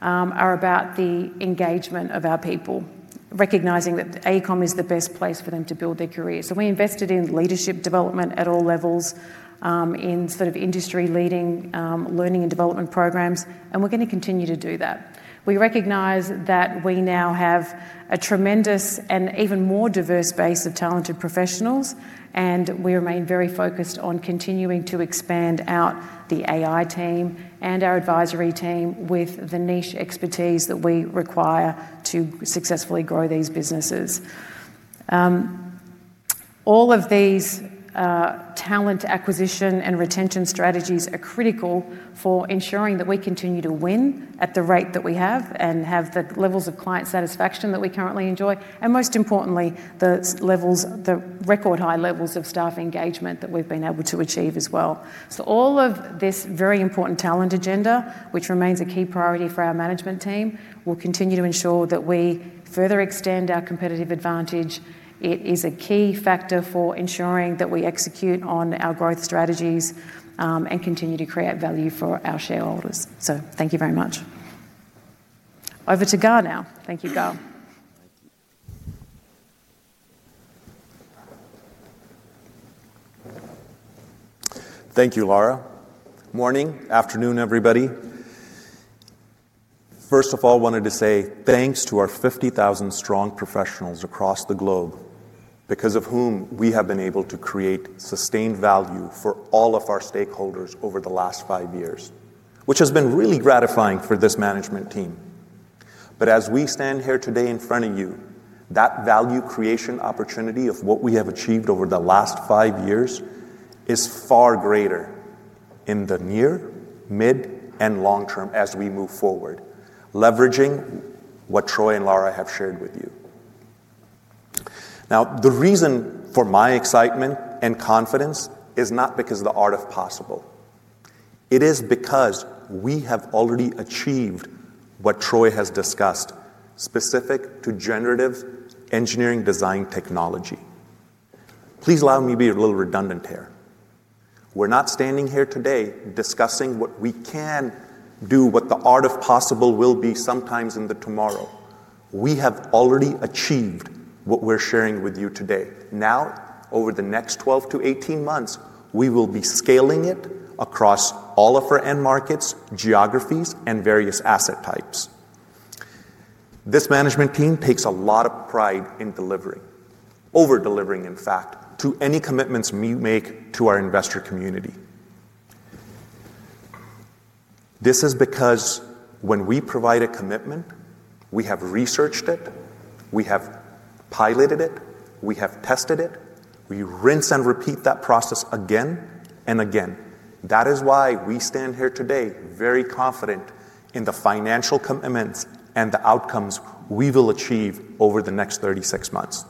are about the engagement of our people, recognizing that AECOM is the best place for them to build their careers. We invested in leadership development at all levels in sort of industry-leading learning and development programs, and we're going to continue to do that. We recognize that we now have a tremendous and even more diverse base of talented professionals, and we remain very focused on continuing to expand out the AI team and our Advisory team with the niche expertise that we require to successfully grow these businesses. All of these talent acquisition and retention strategies are critical for ensuring that we continue to win at the rate that we have and have the levels of client satisfaction that we currently enjoy, and most importantly, the record-high levels of staff engagement that we've been able to achieve as well. All of this very important talent agenda, which remains a key priority for our management team, will continue to ensure that we further extend our competitive advantage. It is a key factor for ensuring that we execute on our growth strategies and continue to create value for our shareholders. Thank you very much. Over to Gaur now. Thank you, Gaur. Thank you, Lara. Morning, afternoon, everybody. First of all, I wanted to say thanks to our 50,000 strong professionals across the globe because of whom we have been able to create sustained value for all of our stakeholders over the last five years, which has been really gratifying for this management team. As we stand here today in front of you, that value creation opportunity of what we have achieved over the last five years is far greater in the near, mid, and long term as we move forward, leveraging what Troy and Lara have shared with you. Now, the reason for my excitement and confidence is not because of the art of possible. It is because we have already achieved what Troy has discussed specific to generative engineering design technology. Please allow me to be a little redundant here. We're not standing here today discussing what we can do, what the art of possible will be sometimes in the tomorrow. We have already achieved what we're sharing with you today. Now, over the next 12-18 months, we will be scaling it across all of our end markets, geographies, and various asset types. This management team takes a lot of pride in delivering, over-delivering, in fact, to any commitments we make to our investor community. This is because when we provide a commitment, we have researched it, we have piloted it, we have tested it, we rinse and repeat that process again and again. That is why we stand here today very confident in the financial commitments and the outcomes we will achieve over the next 36 months.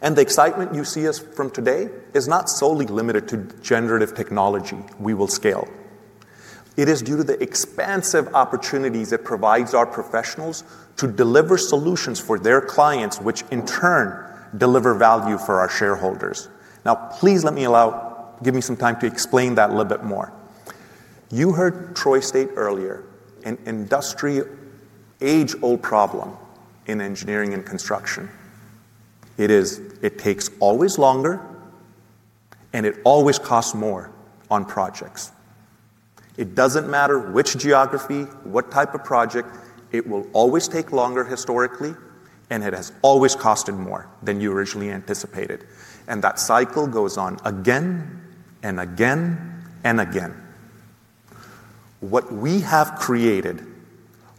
The excitement you see us from today is not solely limited to generative technology we will scale. It is due to the expansive opportunities it provides our professionals to deliver solutions for their clients, which in turn deliver value for our shareholders. Now, please let me give some time to explain that a little bit more. You heard Troy state earlier an industry age-old problem in engineering and construction. It takes always longer, and it always costs more on projects. It does not matter which geography, what type of project. It will always take longer historically, and it has always cost more than you originally anticipated. That cycle goes on again and again and again. What we have created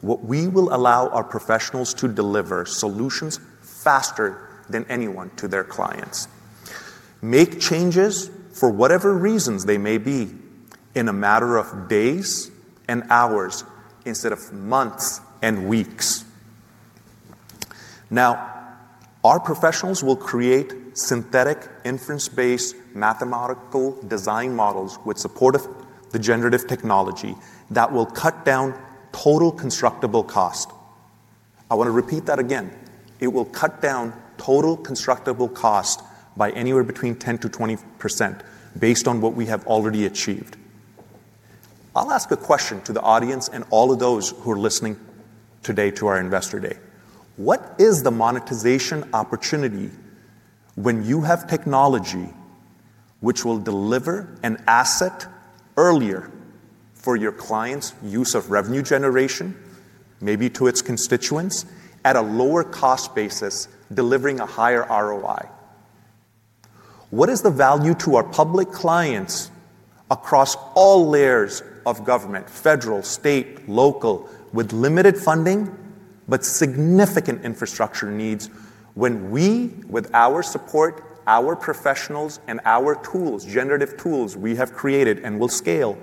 will allow our professionals to deliver solutions faster than anyone to their clients, make changes for whatever reasons they may be in a matter of days and hours instead of months and weeks. Now, our professionals will create synthetic inference-based mathematical design models with support of the generative technology that will cut down total constructible cost. I want to repeat that again. It will cut down total constructible cost by anywhere between 10%-20% based on what we have already achieved. I'll ask a question to the audience and all of those who are listening today to our Investor Day. What is the monetization opportunity when you have technology which will deliver an asset earlier for your client's use of revenue generation, maybe to its constituents at a lower cost basis, delivering a higher ROI? What is the value to our public clients across all layers of government, federal, state, local, with limited funding but significant Infrastructure needs when we, with our support, our professionals, and our tools, generative tools we have created and will scale,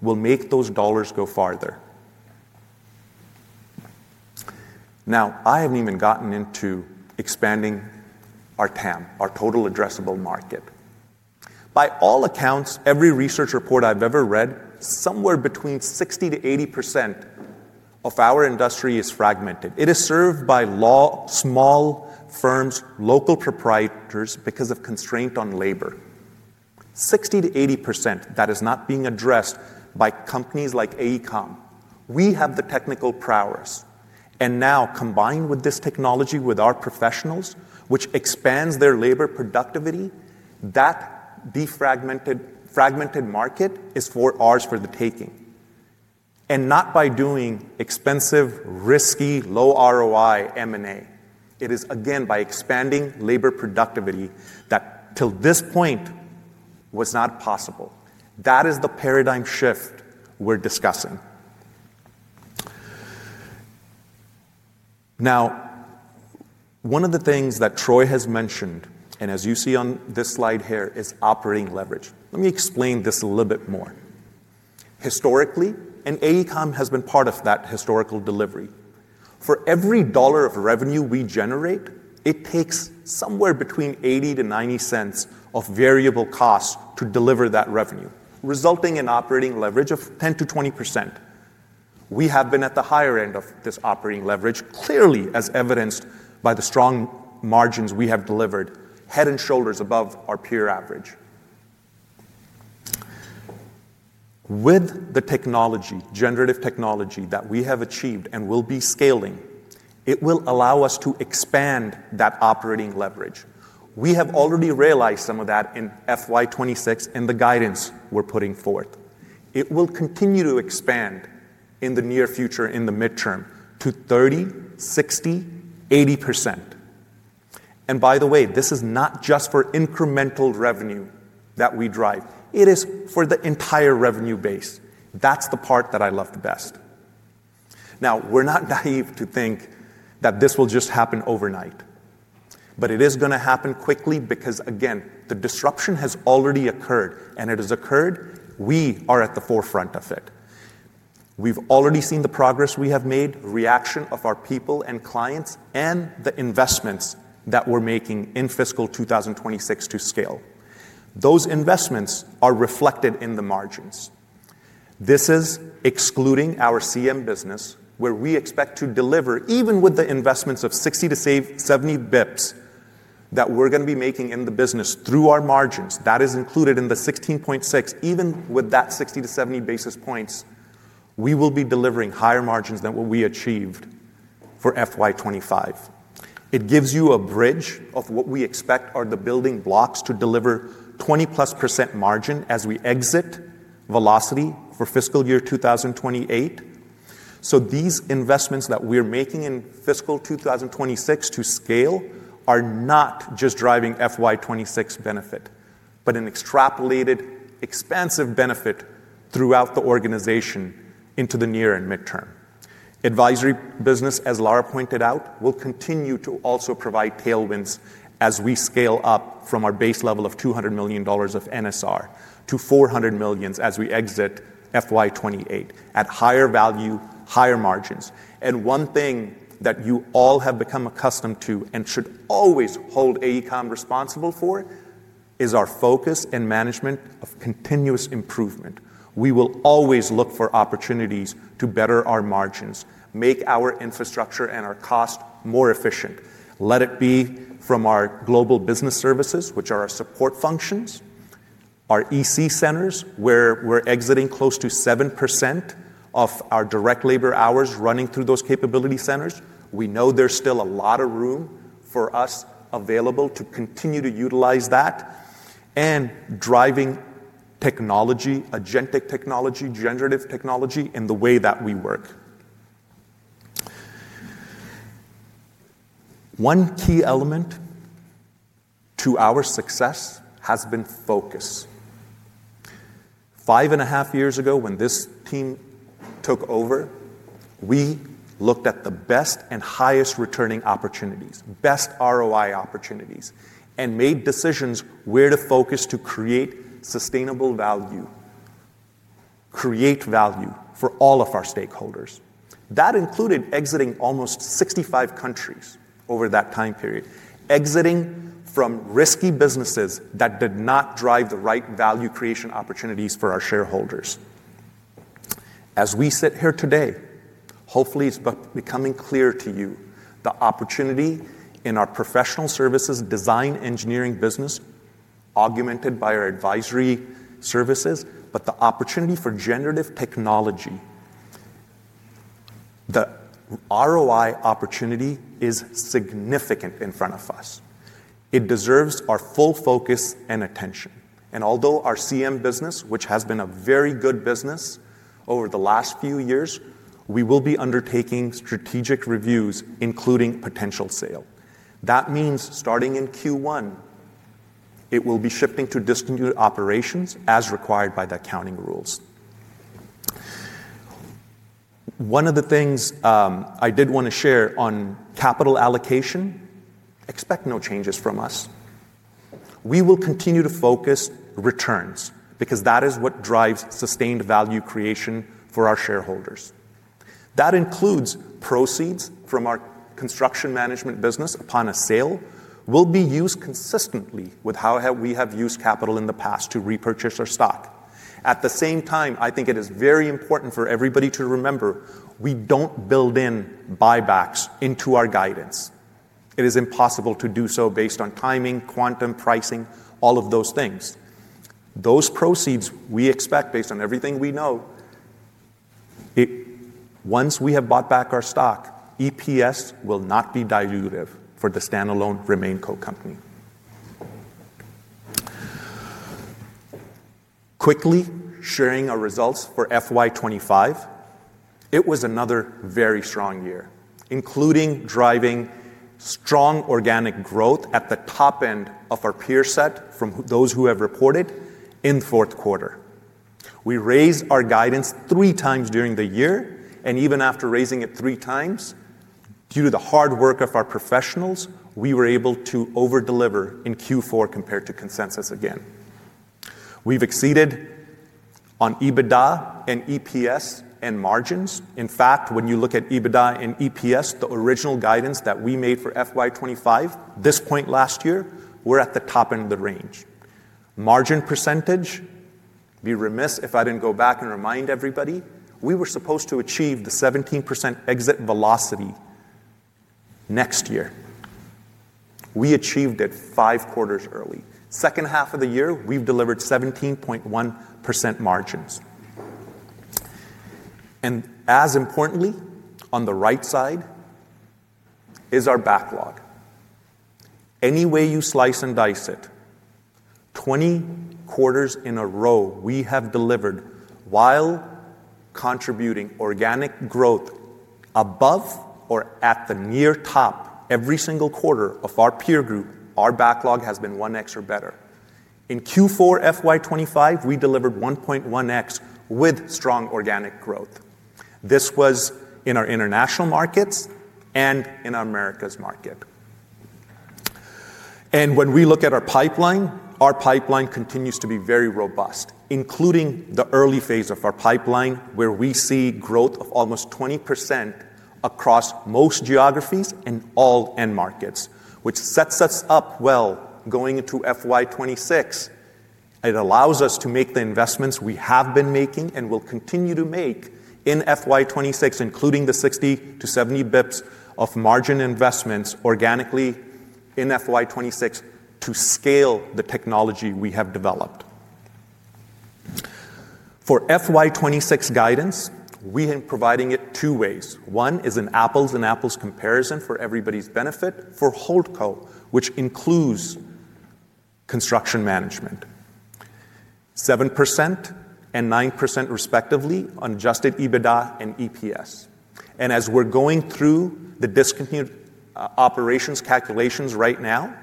will make those dollars go farther? Now, I haven't even gotten into expanding our TAM, our total addressable market. By all accounts, every research report I've ever read, somewhere between 60%-80% of our industry is fragmented. It is served by small firms, local proprietors because of constraint on labor. 60%-80%, that is not being addressed by companies like AECOM. We have the technical prowess. Now, combined with this technology with our professionals, which expands their labor productivity, that defragmented market is ours for the taking. Not by doing expensive, risky, low ROI M&A. It is, again, by expanding labor productivity that till this point was not possible. That is the paradigm shift we're discussing. Now, one of the things that Troy has mentioned, and as you see on this slide here, is operating leverage. Let me explain this a little bit more. Historically, and AECOM has been part of that historical delivery. For every dollar of revenue we generate, it takes somewhere between $0.80-$0.90 of variable cost to deliver that revenue, resulting in operating leverage of 10%-20%. We have been at the higher end of this operating leverage, clearly as evidenced by the strong margins we have delivered, head and shoulders above our peer average. With the generative technology that we have achieved and will be scaling, it will allow us to expand that operating leverage. We have already realized some of that in FY2026 and the guidance we're putting forth. It will continue to expand in the near future, in the midterm, to 30%, 60%, 80%. By the way, this is not just for incremental revenue that we drive. It is for the entire revenue base. That's the part that I love the best. Now, we're not naive to think that this will just happen overnight, but it is going to happen quickly because, again, the disruption has already occurred, and it has occurred. We are at the forefront of it. We've already seen the progress we have made, reaction of our people and clients, and the investments that we're making in fiscal 2026 to scale. Those investments are reflected in the margins. This is excluding our CM business, where we expect to deliver, even with the investments of 60-70 bps that we're going to be making in the business through our margins. That is included in the 16.6. Even with that 60-70 basis points, we will be delivering higher margins than what we achieved for FY2025. It gives you a bridge of what we expect are the building blocks to deliver 20+% margin as we exit velocity for fiscal year 2028. These investments that we're making in fiscal 2026 to scale are not just driving FY2026 benefit, but an extrapolated expansive benefit throughout the organization into the near and midterm. Advisory business, as Lara pointed out, will continue to also provide tailwinds as we scale up from our base level of $200 million of NSR to $400 million as we exit FY2028 at higher value, higher margins. One thing that you all have become accustomed to and should always hold AECOM responsible for is our focus and management of continuous improvement. We will always look for opportunities to better our margins, make our Infrastructure and our cost more efficient. Let it be from our Global business services, which are our support functions, our EC centers, where we're exiting close to 7% of our direct labor hours running through those capability centers. We know there's still a lot of room for us available to continue to utilize that and driving technology, agentic technology, generative technology in the way that we work. One key element to our success has been focus. Five and a half years ago, when this team took over, we looked at the best and highest returning opportunities, best ROI opportunities, and made decisions where to focus to create sustainable value, create value for all of our stakeholders. That included exiting almost 65 countries over that time period, exiting from risky businesses that did not drive the right value creation opportunities for our shareholders. As we sit here today, hopefully, it's becoming clear to you the opportunity in our professional services Design Engineering business, augmented by our Advisory services, but the opportunity for generative technology, the ROI opportunity is significant in front of us. It deserves our full focus and attention. Although our CM business, which has been a very good business over the last few years, we will be undertaking strategic reviews, including potential sale. That means starting in Q1, it will be shifting to distribute operations as required by the accounting rules. One of the things I did want to share on capital allocation, expect no changes from us. We will continue to focus returns because that is what drives sustained value creation for our shareholders. That includes proceeds from our Construction Management business upon a sale will be used consistently with how we have used capital in the past to repurchase our stock. At the same time, I think it is very important for everybody to remember we do not build in buybacks into our guidance. It is impossible to do so based on timing, quantum, pricing, all of those things. Those proceeds we expect based on everything we know, once we have bought back our stock, EPS will not be dilutive for the standalone RemainCo company. Quickly sharing our results for FY25, it was another very strong year, including driving strong organic growth at the top end of our peer set from those who have reported in fourth quarter. We raised our guidance 3x during the year, and even after raising it 3x, due to the hard work of our professionals, we were able to overdeliver in Q4 compared to consensus again. We've exceeded on EBITDA and EPS and margins. In fact, when you look at EBITDA and EPS, the original guidance that we made for FY25 this point last year, we're at the top end of the range. Margin percentage, be remiss if I didn't go back and remind everybody, we were supposed to achieve the 17% exit velocity next year. We achieved it five quarters early. Second half of the year, we've delivered 17.1% margins. As importantly, on the right side is our backlog. Any way you slice and dice it, 20 quarters in a row, we have delivered while contributing organic growth above or at the near top every single quarter of our peer group. Our backlog has been 1x or better. In Q4 FY2025, we delivered 1.1x with strong organic growth. This was in our international markets and in America's market. When we look at our pipeline, our pipeline continues to be very robust, including the early phase of our pipeline where we see growth of almost 20% across most geographies and all end markets, which sets us up well going into FY2026. It allows us to make the investments we have been making and will continue to make in FY2026, including the 60-70 bps of margin investments organically in FY2026 to scale the technology we have developed. For FY26 guidance, we have been providing it two ways. One is an apples and apples comparison for everybody's benefit for Holtco, which includes Construction Management, 7% and 9% respectively on adjusted EBITDA and EPS. As we're going through the discontinued operations calculations right now,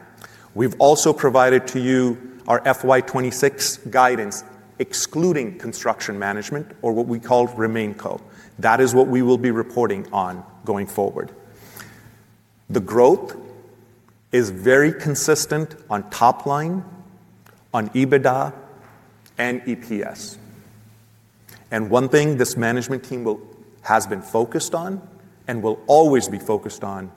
we've also provided to you our FY26 guidance excluding Construction Management or what we call RemainCo. That is what we will be reporting on going forward. The growth is very consistent on top line, on EBITDA, and EPS. One thing this management team has been focused on and will always be focused on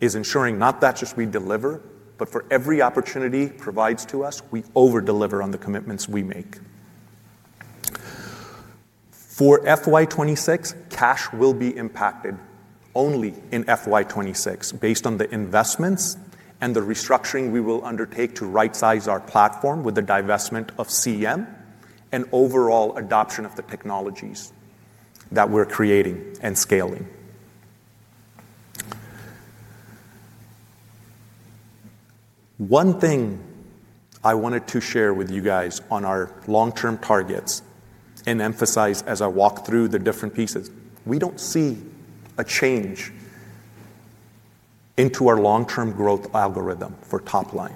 is ensuring not that just we deliver, but for every opportunity provided to us, we overdeliver on the commitments we make. For FY26, cash will be impacted only in FY26 based on the investments and the restructuring we will undertake to right-size our platform with the divestment of CM and overall adoption of the technologies that we're creating and scaling. One thing I wanted to share with you guys on our long-term targets and emphasize as I walk through the different pieces, we don't see a change into our long-term growth algorithm for top line.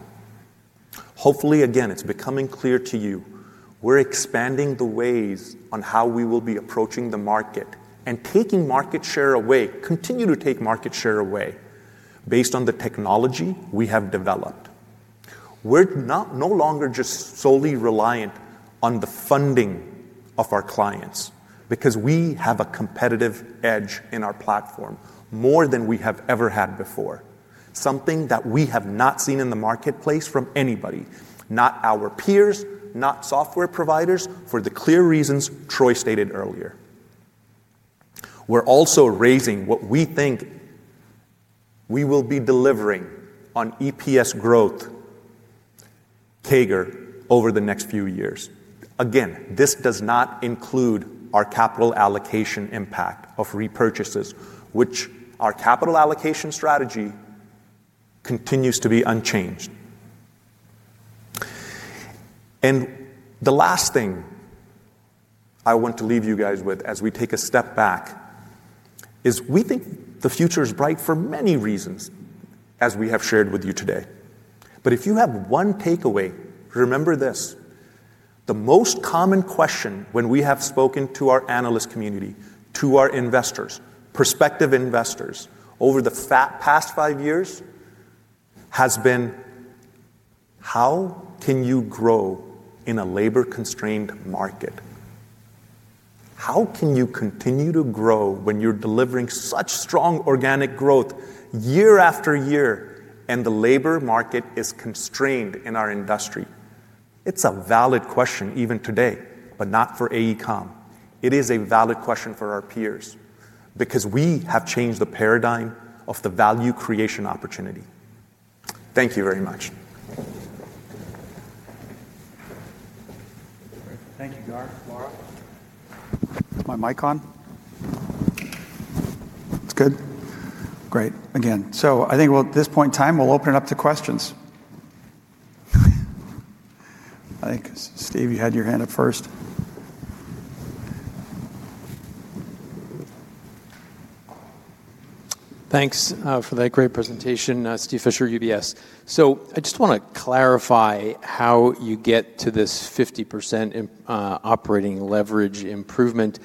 Hopefully, again, it's becoming clear to you. We're expanding the ways on how we will be approaching the market and taking market share away, continue to take market share away based on the technology we have developed. We're no longer just solely reliant on the funding of our clients because we have a competitive edge in our platform more than we have ever had before, something that we have not seen in the marketplace from anybody, not our peers, not software providers for the clear reasons Troy stated earlier. We're also raising what we think we will be delivering on EPS growth CAGR over the next few years. Again, this does not include our capital allocation impact of repurchases, which our capital allocation strategy continues to be unchanged. The last thing I want to leave you guys with as we take a step back is we think the future is bright for many reasons, as we have shared with you today. If you have one takeaway, remember this: the most common question when we have spoken to our analyst community, to our investors, prospective investors over the past five years has been, "How can you grow in a labor-constrained market? How can you continue to grow when you're delivering such strong organic growth year after year and the labor market is constrained in our industry?" It is a valid question even today, but not for AECOM. It is a valid question for our peers because we have changed the paradigm of the value creation opportunity. Thank you very much. Thank you, Gaur, Lara. My mic on? It's good? Great. Again, I think at this point in time, we'll open it up to questions. I think, Steve, you had your hand up first. Thanks for that great presentation, Steve Fisher, UBS. I just want to clarify how you get to this 50% operating leverage improvement.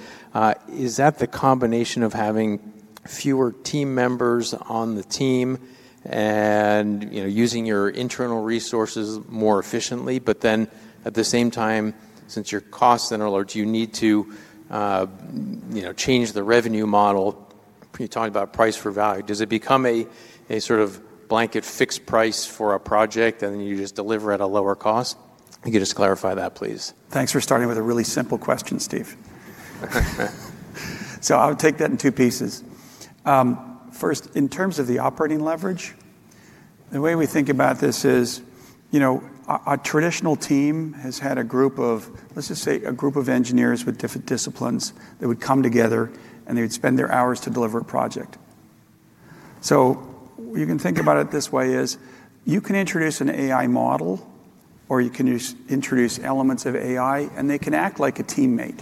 Is that the combination of having fewer team members on the team and using your internal resources more efficiently, but then at the same time, since your costs are large, you need to change the revenue model? You talked about price for value. Does it become a sort of blanket fixed price for a project and then you just deliver at a lower cost? You could just clarify that, please. Thanks for starting with a really simple question, Steve. I'll take that in two pieces. First, in terms of the operating leverage, the way we think about this is a traditional team has had a group of, let's just say, a group of engineers with different disciplines that would come together and they would spend their hours to deliver a project. You can think about it this way: you can introduce an AI model or you can introduce elements of AI, and they can act like a teammate.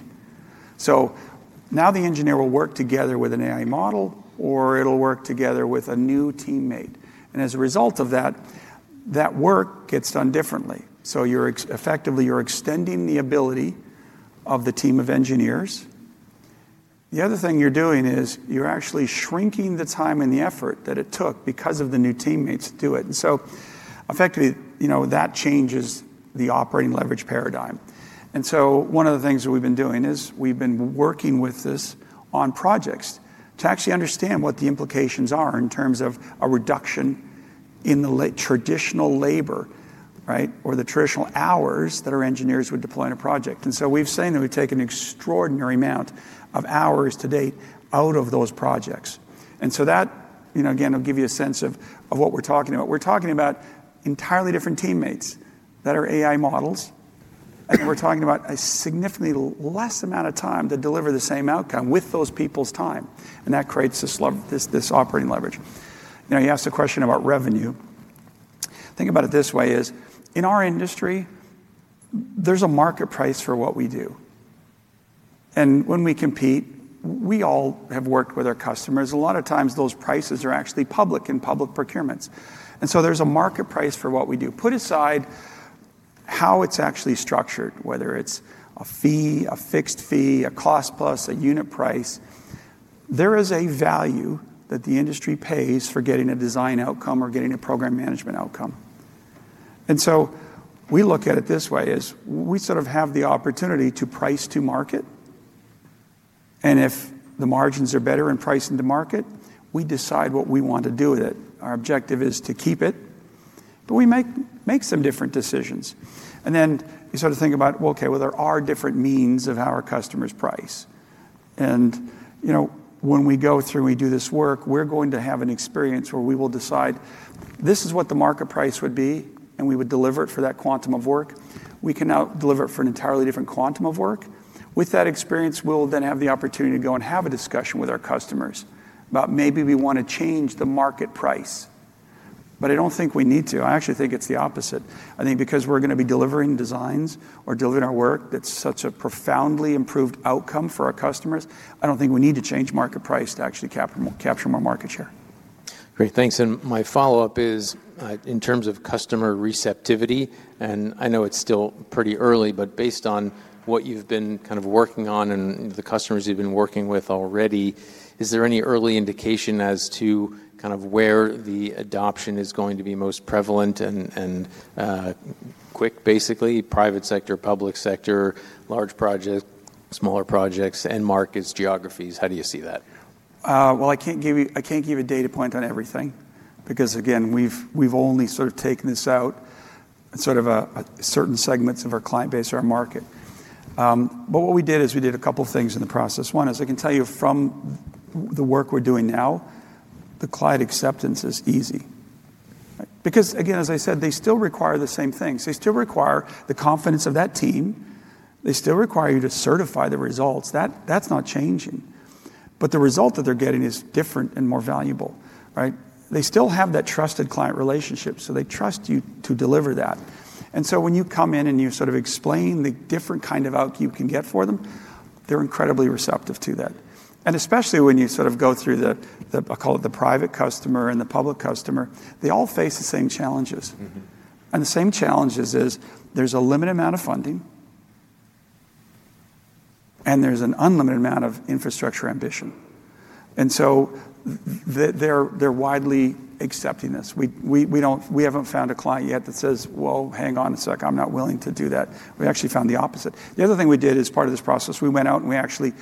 Now the engineer will work together with an AI model or it'll work together with a new teammate. As a result of that, that work gets done differently. Effectively, you're extending the ability of the team of engineers. The other thing you're doing is you're actually shrinking the time and the effort that it took because of the new teammates to do it. Effectively, that changes the operating leverage paradigm. One of the things that we've been doing is we've been working with this on projects to actually understand what the implications are in terms of a reduction in the traditional labor or the traditional hours that our engineers would deploy in a project. We've seen that we've taken an extraordinary amount of hours to date out of those projects. That, again, will give you a sense of what we're talking about. We're talking about entirely different teammates that are AI models, and we're talking about a significantly less amount of time to deliver the same outcome with those people's time. That creates this operating leverage. Now, you asked a question about revenue. Think about it this way: in our industry, there's a market price for what we do. When we compete, we all have worked with our customers. A lot of times, those prices are actually public in public procurements. There is a market price for what we do. Put aside how it's actually structured, whether it's a fee, a fixed fee, a cost plus, a unit price, there is a value that the industry pays for getting a design outcome or getting a Program Management outcome. We look at it this way: we sort of have the opportunity to price to market. If the margins are better in pricing to market, we decide what we want to do with it. Our objective is to keep it, but we make some different decisions. You sort of think about, okay, there are different means of how our customers price. When we go through and we do this work, we're going to have an experience where we will decide this is what the market price would be, and we would deliver it for that quantum of work. We can now deliver it for an entirely different quantum of work. With that experience, we'll then have the opportunity to go and have a discussion with our customers about maybe we want to change the market price. I don't think we need to. I actually think it's the opposite. I think because we're going to be delivering designs or delivering our work that's such a profoundly improved outcome for our customers, I don't think we need to change market price to actually capture more market share. Great. Thanks. My follow-up is in terms of customer receptivity. I know it's still pretty early, but based on what you've been kind of working on and the customers you've been working with already, is there any early indication as to kind of where the adoption is going to be most prevalent and quick, basically? Private sector, public sector, large projects, smaller projects, and markets, geographies? How do you see that? I can't give you a data point on everything because, again, we've only sort of taken this out in sort of certain segments of our client base or our market. What we did is we did a couple of things in the process. One is I can tell you from the work we're doing now, the client acceptance is easy. Because, again, as I said, they still require the same things. They still require the confidence of that team. They still require you to certify the results. That's not changing. The result that they're getting is different and more valuable. They still have that trusted client relationship, so they trust you to deliver that. When you come in and you sort of explain the different kind of outcome you can get for them, they're incredibly receptive to that. Especially when you sort of go through the, I'll call it the private customer and the public customer, they all face the same challenges. The same challenge is there's a limited amount of funding, and there's an unlimited amount of Infrastructure ambition. They are widely accepting this. We haven't found a client yet that says, "Hang on a sec. I'm not willing to do that." We actually found the opposite. The other thing we did as part of this process, we went out and we actually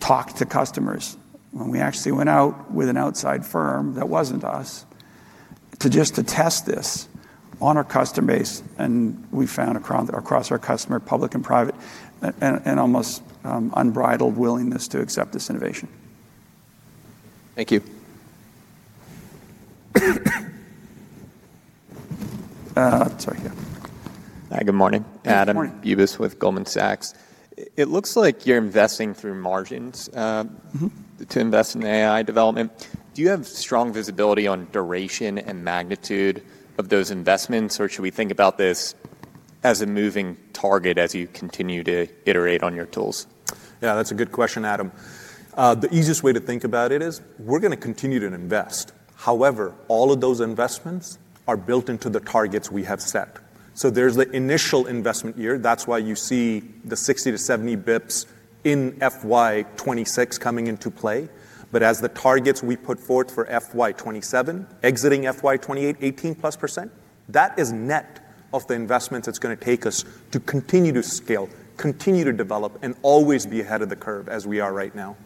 talked to customers. We actually went out with an outside firm that wasn't us to just test this on our customer base. We found across our customer, public and private, an almost unbridled willingness to accept this innovation. Thank you. Sorry. Hi, good morning. Adam Bubes with Goldman Sachs. It looks like you're investing through margins to invest in AI development. Do you have strong visibility on duration and magnitude of those investments, or should we think about this as a moving target as you continue to iterate on your tools? Yeah, that's a good question, Adam. The easiest way to think about it is we're going to continue to invest. However, all of those investments are built into the targets we have set. There is the initial investment year. That is why you see the 60-70 bps in FY2026 coming into play. As the targets we put forth for FY2027, exiting FY2028, 18+%, that is net of the investments it is going to take us to continue to scale, continue to develop, and always be ahead of the curve as we are right now.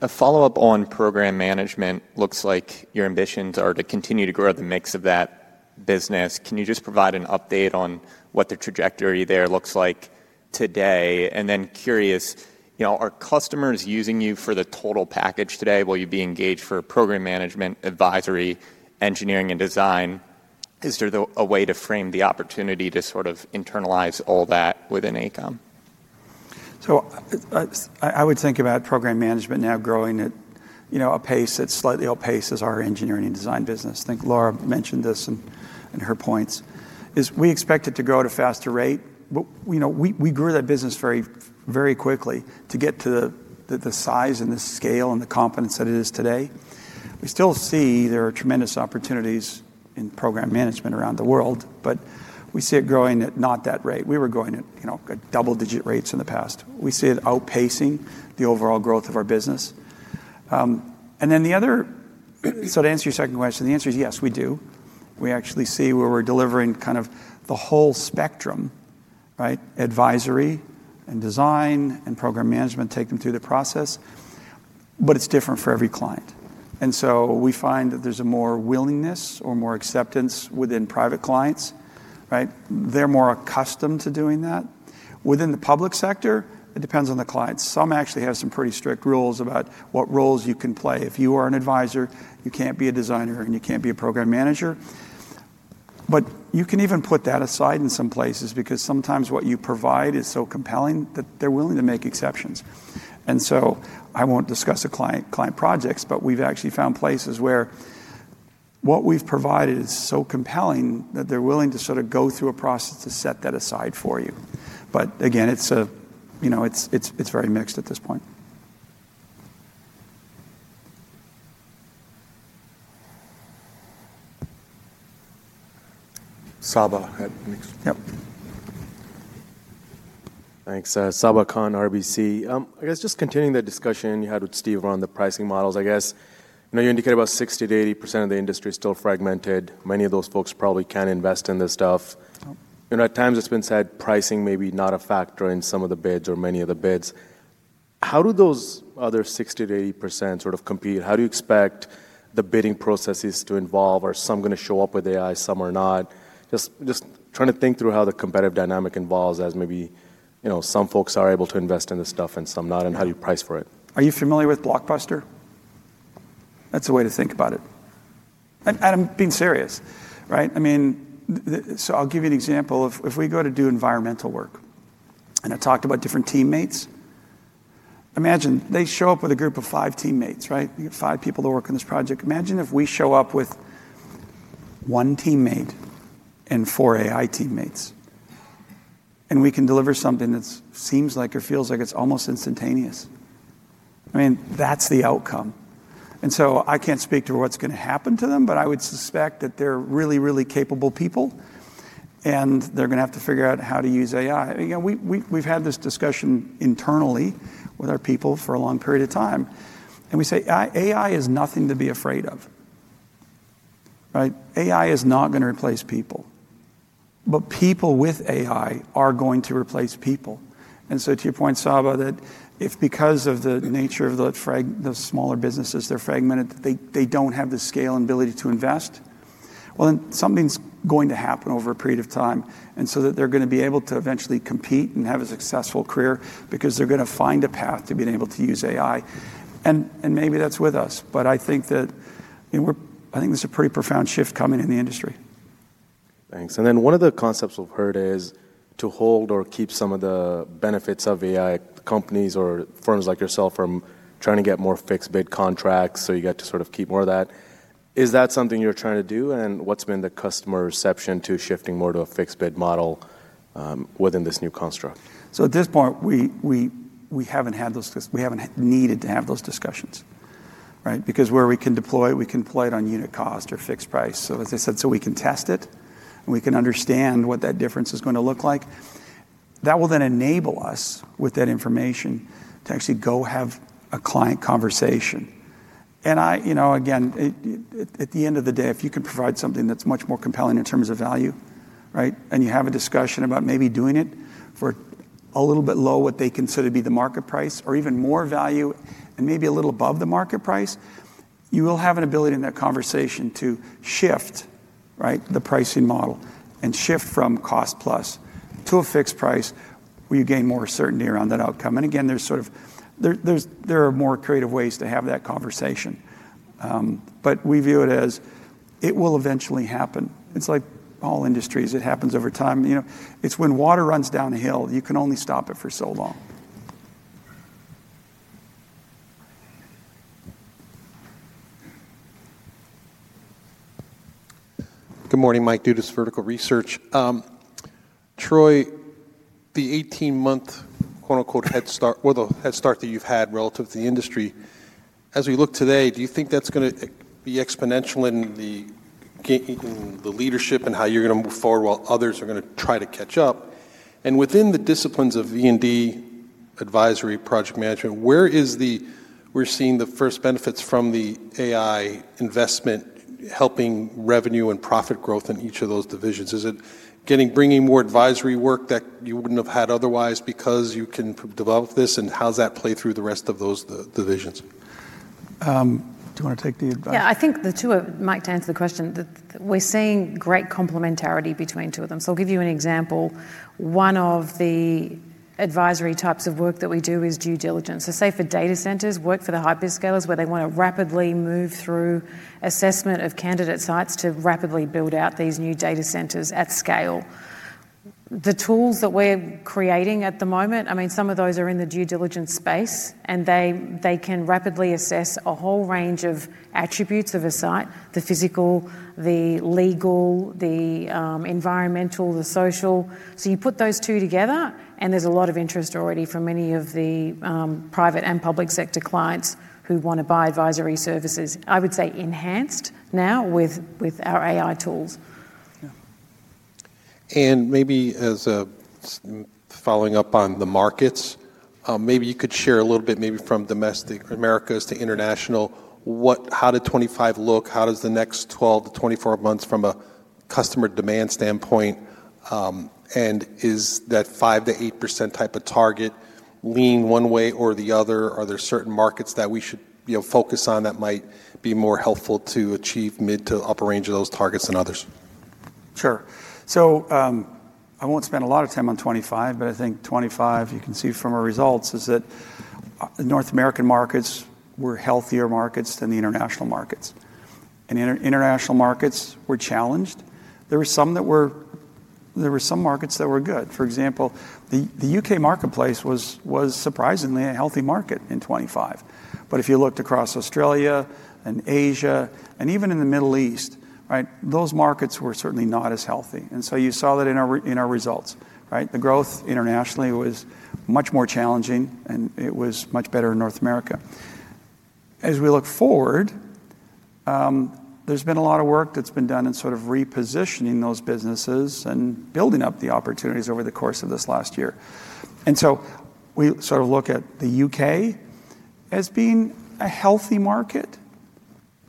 A follow-up on Program Management looks like your ambitions are to continue to grow the mix of that business. Can you just provide an update on what the trajectory there looks like today? Curious, are customers using you for the total package today? Will you be engaged for Program Management, Advisory, Engineering, and Design? Is there a way to frame the opportunity to sort of internalize all that within AECOM? I would think about Program Management now growing at a pace that slightly outpaces our Engineering and Design business. I think Lara mentioned this in her points. We expect it to grow at a faster rate. We grew that business very quickly to get to the size and the scale and the confidence that it is today. We still see there are tremendous opportunities in Program Management around the world, but we see it growing at not that rate. We were growing at double-digit rates in the past. We see it outpacing the overall growth of our business. To answer your second question, the answer is yes, we do. We actually see where we're delivering kind of the whole spectrum: Advisory and Design and Program Management, taking them through the process. It's different for every client. We find that there is more willingness or more acceptance within private clients. They are more accustomed to doing that. Within the public sector, it depends on the client. Some actually have some pretty strict rules about what roles you can play. If you are an advisor, you cannot be a designer, and you cannot be a program manager. You can even put that aside in some places because sometimes what you provide is so compelling that they are willing to make exceptions. I will not discuss client projects, but we have actually found places where what we have provided is so compelling that they are willing to sort of go through a process to set that aside for you. Again, it is very mixed at this point. Saba. Yep. Thanks. Saba Khan, RBC. I guess just continuing the discussion you had with Steve around the pricing models, I guess. You indicated about 60%-80% of the industry is still fragmented. Many of those folks probably can't invest in this stuff. At times, it's been said pricing may be not a factor in some of the bids or many of the bids. How do those other 60%-80% sort of compete? How do you expect the bidding processes to involve? Are some going to show up with AI, some are not? Just trying to think through how the competitive dynamic involves as maybe some folks are able to invest in this stuff and some not, and how do you price for it? Are you familiar with Blockbuster? That's a way to think about it. Adam, being serious, I mean, so I'll give you an example. If we go to do environmental work and I talked about different teammates, imagine they show up with a group of five teammates, five people that work on this project. Imagine if we show up with one teammate and four AI teammates, and we can deliver something that seems like or feels like it's almost instantaneous. I mean, that's the outcome. I can't speak to what's going to happen to them, but I would suspect that they're really, really capable people, and they're going to have to figure out how to use AI. We've had this discussion internally with our people for a long period of time. We say AI is nothing to be afraid of. AI is not going to replace people, but people with AI are going to replace people. To your point, Saba, if because of the nature of the smaller businesses, they're fragmented, they don't have the scale and ability to invest, then something's going to happen over a period of time. They're going to be able to eventually compete and have a successful career because they're going to find a path to being able to use AI. Maybe that's with us. I think there's a pretty profound shift coming in the industry. Thanks. One of the concepts we've heard is to hold or keep some of the benefits of AI companies or firms like yourself from trying to get more fixed bid contracts so you get to sort of keep more of that. Is that something you're trying to do? What's been the customer reception to shifting more to a fixed bid model within this new construct? At this point, we haven't had those discussions. We haven't needed to have those discussions because where we can deploy, we can deploy it on unit cost or fixed price. As I said, we can test it, and we can understand what that difference is going to look like. That will then enable us with that information to actually go have a client conversation. At the end of the day, if you can provide something that's much more compelling in terms of value, and you have a discussion about maybe doing it for a little bit below what they consider to be the market price or even more value and maybe a little above the market price, you will have an ability in that conversation to shift the pricing model and shift from cost plus to a fixed price where you gain more certainty around that outcome. There are more creative ways to have that conversation. We view it as it will eventually happen. It's like all industries. It happens over time. It's when water runs downhill, you can only stop it for so long. Good morning, Mike Dudas, Vertical Research. Troy, the 18-month "head start" or the head start that you've had relative to the industry, as we look today, do you think that's going to be exponential in the leadership and how you're going to move forward while others are going to try to catch up? Within the disciplines of V&D, Advisory, Project Management, where is the we're seeing the first benefits from the AI investment helping revenue and profit growth in each of those divisions? Is it bringing more advisory work that you wouldn't have had otherwise because you can develop this? How does that play through the rest of those divisions? Do you want to take the advice? Yeah, I think the two of Mike to answer the question. We're seeing great complementarity between two of them. I'll give you an example. One of the Advisory types of work that we do is due diligence. Say for data centers, work for the hyperscalers where they want to rapidly move through assessment of candidate sites to rapidly build out these new data centers at scale. The tools that we're creating at the moment, I mean, some of those are in the due diligence space, and they can rapidly assess a whole range of attributes of a site: the physical, the legal, the environmental, the social. You put those two together, and there's a lot of interest already from many of the private and public sector clients who want to buy Advisory Services. I would say enhanced now with our AI tools. Maybe as a follow-up on the markets, maybe you could share a little bit maybe from domestic Americas to international. How did 2025 look? How does the next 12-24 months from a customer demand standpoint? Is that 5%-8% type of target lean one way or the other? Are there certain markets that we should focus on that might be more helpful to achieve mid to upper range of those targets than others? Sure. I will not spend a lot of time on 2025, but I think 2025, you can see from our results, is that North American markets were healthier markets than the International markets. International markets were challenged. There were some that were good. For example, the U.K. marketplace was surprisingly a healthy market in 2025. If you looked across Australia and Asia and even in the Middle East, those markets were certainly not as healthy. You saw that in our results. The growth internationally was much more challenging, and it was much better in North America. As we look forward, there has been a lot of work that has been done in sort of repositioning those businesses and building up the opportunities over the course of this last year. We sort of look at the U.K. as being a healthy market,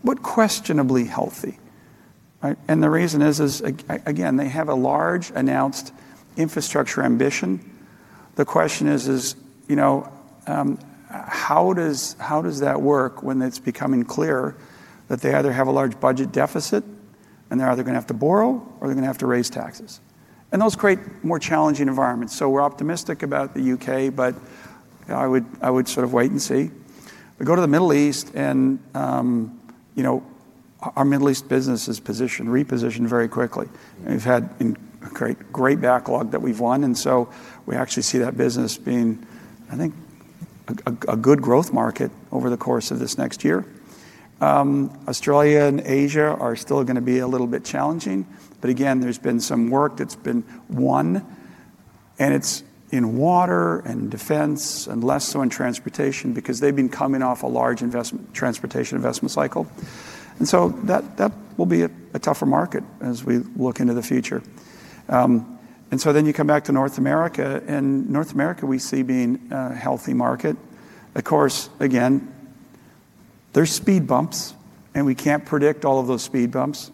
but questionably healthy. The reason is, again, they have a large announced infrastructure ambition. The question is, how does that work when it is becoming clear that they either have a large budget deficit and they are either going to have to borrow or they are going to have to raise taxes? Those create more challenging environments. We are optimistic about the U.K., but I would sort of wait and see. We go to the Middle East, and our Middle East business is positioned, repositioned very quickly. We have had a great backlog that we have won. We actually see that business being, I think, a good growth market over the course of this next year. Australia and Asia are still going to be a little bit challenging. There has been some work that has been won, and it is in water and defense and less so in transportation because they have been coming off a large transportation investment cycle. That will be a tougher market as we look into the future. You come back to North America. North America we see being a healthy market. Of course, there are speed bumps, and we cannot predict all of those speed bumps.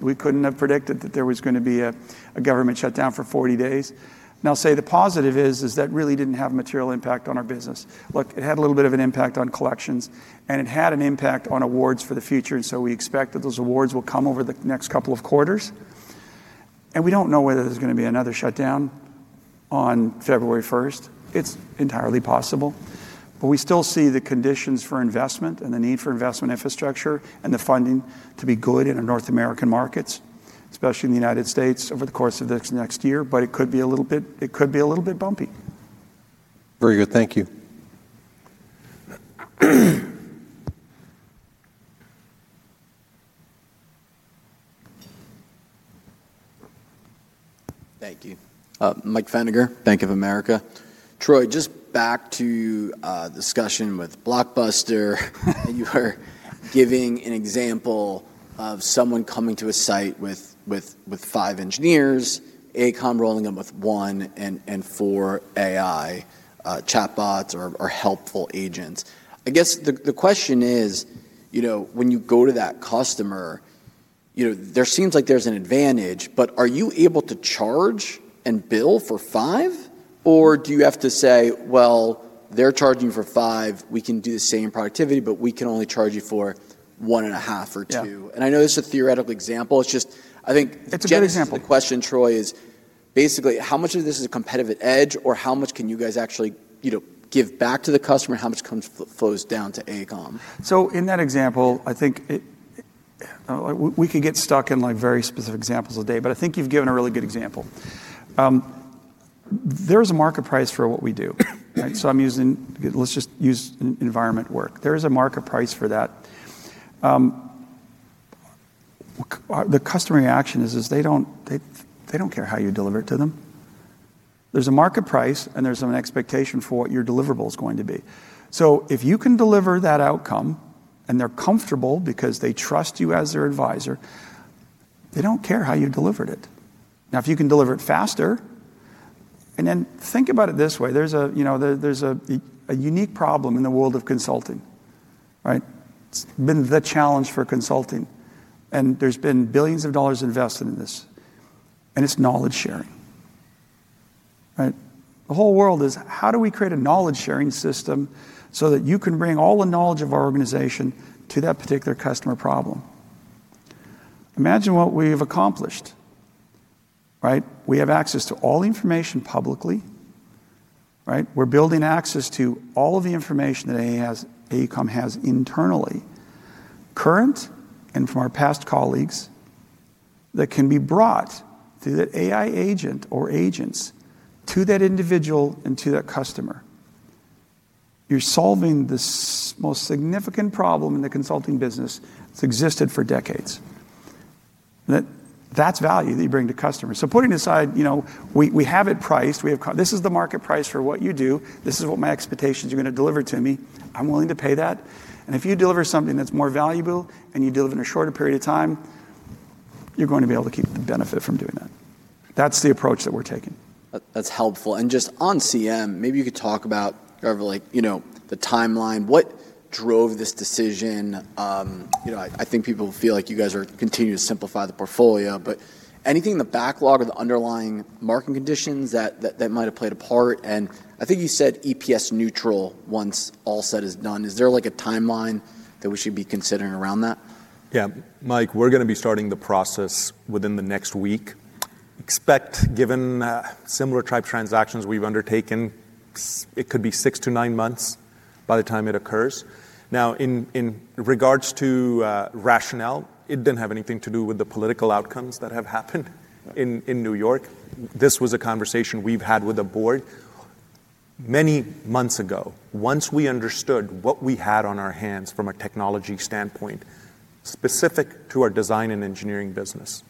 We could not have predicted that there was going to be a government shutdown for 40 days. The positive is that really did not have material impact on our business. It had a little bit of an impact on collections, and it had an impact on awards for the future. We expect that those awards will come over the next couple of quarters. We do not know whether there is going to be another shutdown on February 1st. It is entirely possible. We still see the conditions for investment and the need for investment in Infrastructure and the funding to be good in our North American markets, especially in the United States over the course of this next year. It could be a little bit, it could be a little bit bumpy. Very good. Thank you. Thank you. Mike Feniger, Bank of America. Troy, just back to discussion with Blockbuster, you were giving an example of someone coming to a site with five engineers, AECOM rolling up with one and four AI chatbots or helpful agents. I guess the question is, when you go to that customer, there seems like there's an advantage. But are you able to charge and bill for five? Or do you have to say, well, they're charging for five. We can do the same productivity, but we can only charge you for 1.5 or two. And I know this is a theoretical example. It's just, I think. It's a good example. The question, Troy, is basically, how much of this is a competitive edge, or how much can you guys actually give back to the customer, and how much flows down to AECOM? In that example, I think we can get stuck in very specific examples today. I think you've given a really good example. There is a market price for what we do. Let's just use environment work. There is a market price for that. The customer reaction is they don't care how you deliver it to them. There's a market price, and there's an expectation for what your deliverable is going to be. If you can deliver that outcome and they're comfortable because they trust you as their Advisor, they don't care how you delivered it. If you can deliver it faster, and then think about it this way. There's a unique problem in the world of consulting. It's been the challenge for consulting. There's been billions of dollars invested in this. It's knowledge sharing. The whole world is, how do we create a knowledge sharing system so that you can bring all the knowledge of our organization to that particular customer problem? Imagine what we've accomplished. We have access to all information publicly. We're building access to all of the information that AECOM has internally, current and from our past colleagues, that can be brought to that AI agent or agents to that individual and to that customer. You're solving the most significant problem in the consulting business that's existed for decades. That's value that you bring to customers. So putting aside, we have it priced. This is the market price for what you do. This is what my expectations are going to deliver to me. I'm willing to pay that. If you deliver something that's more valuable and you deliver in a shorter period of time, you're going to be able to keep the benefit from doing that. That's the approach that we're taking. That's helpful. And just on CM, maybe you could talk about the timeline. What drove this decision? I think people feel like you guys are continuing to simplify the portfolio. But anything in the backlog or the underlying marketing conditions that might have played a part? And I think you said EPS neutral once all said is done. Is there a timeline that we should be considering around that? Yeah. Mike, we're going to be starting the process within the next week. Expect, given similar type transactions we've undertaken, it could be 6-9 months by the time it occurs. Now, in regards to rationale, it didn't have anything to do with the political outcomes that have happened in New York. This was a conversation we've had with the board many months ago, once we understood what we had on our hands from a technology standpoint specific to our Design and Engineering business.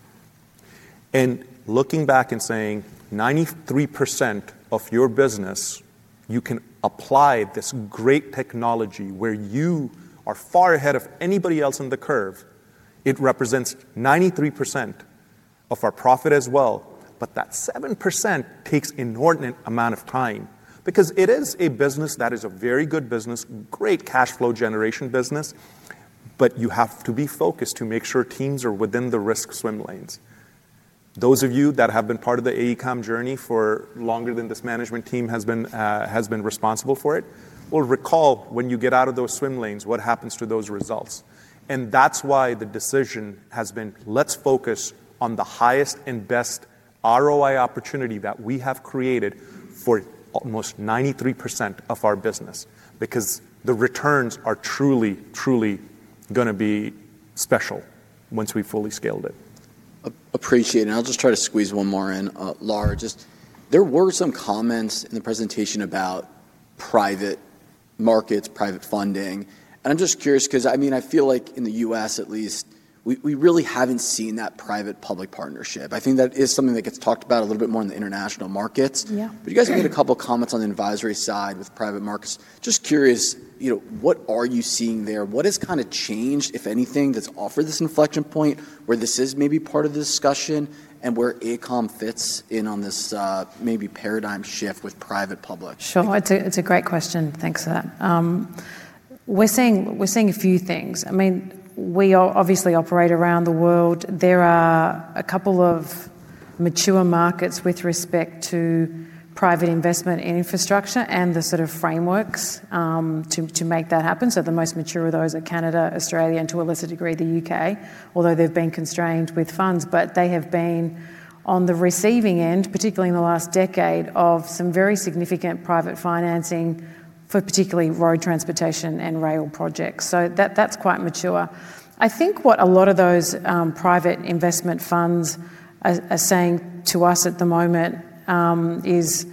Looking back and saying, 93% of your business, you can apply this great technology where you are far ahead of anybody else in the curve. It represents 93% of our profit as well. That 7% takes an inordinate amount of time because it is a business that is a very good business, great cash flow generation business. You have to be focused to make sure teams are within the risk swim lanes. Those of you that have been part of the AECOM journey for longer than this management team has been responsible for it will recall when you get out of those swim lanes, what happens to those results. That is why the decision has been, let's focus on the highest and best ROI opportunity that we have created for almost 93% of our business because the returns are truly, truly going to be special once we fully scaled it. Appreciate it. I'll just try to squeeze one more in. Lara, just there were some comments in the presentation about private markets, private funding. I'm just curious because, I mean, I feel like in the U.S., at least, we really haven't seen that private-public partnership. I think that is something that gets talked about a little bit more in the international markets. You guys made a couple of comments on the Advisory side with private markets. Just curious, what are you seeing there? What has kind of changed, if anything, that's offered this inflection point where this is maybe part of the discussion and where AECOM fits in on this maybe paradigm shift with private-public? Sure. It's a great question. Thanks for that. We're seeing a few things. I mean, we obviously operate around the world. There are a couple of mature markets with respect to private investment in infrastructure and the sort of frameworks to make that happen. The most mature of those are Canada, Australia, and to a lesser degree, the U.K., although they've been constrained with funds. They have been on the receiving end, particularly in the last decade, of some very significant private financing for particularly road transportation and rail projects. That's quite mature. I think what a lot of those private investment funds are saying to us at the moment is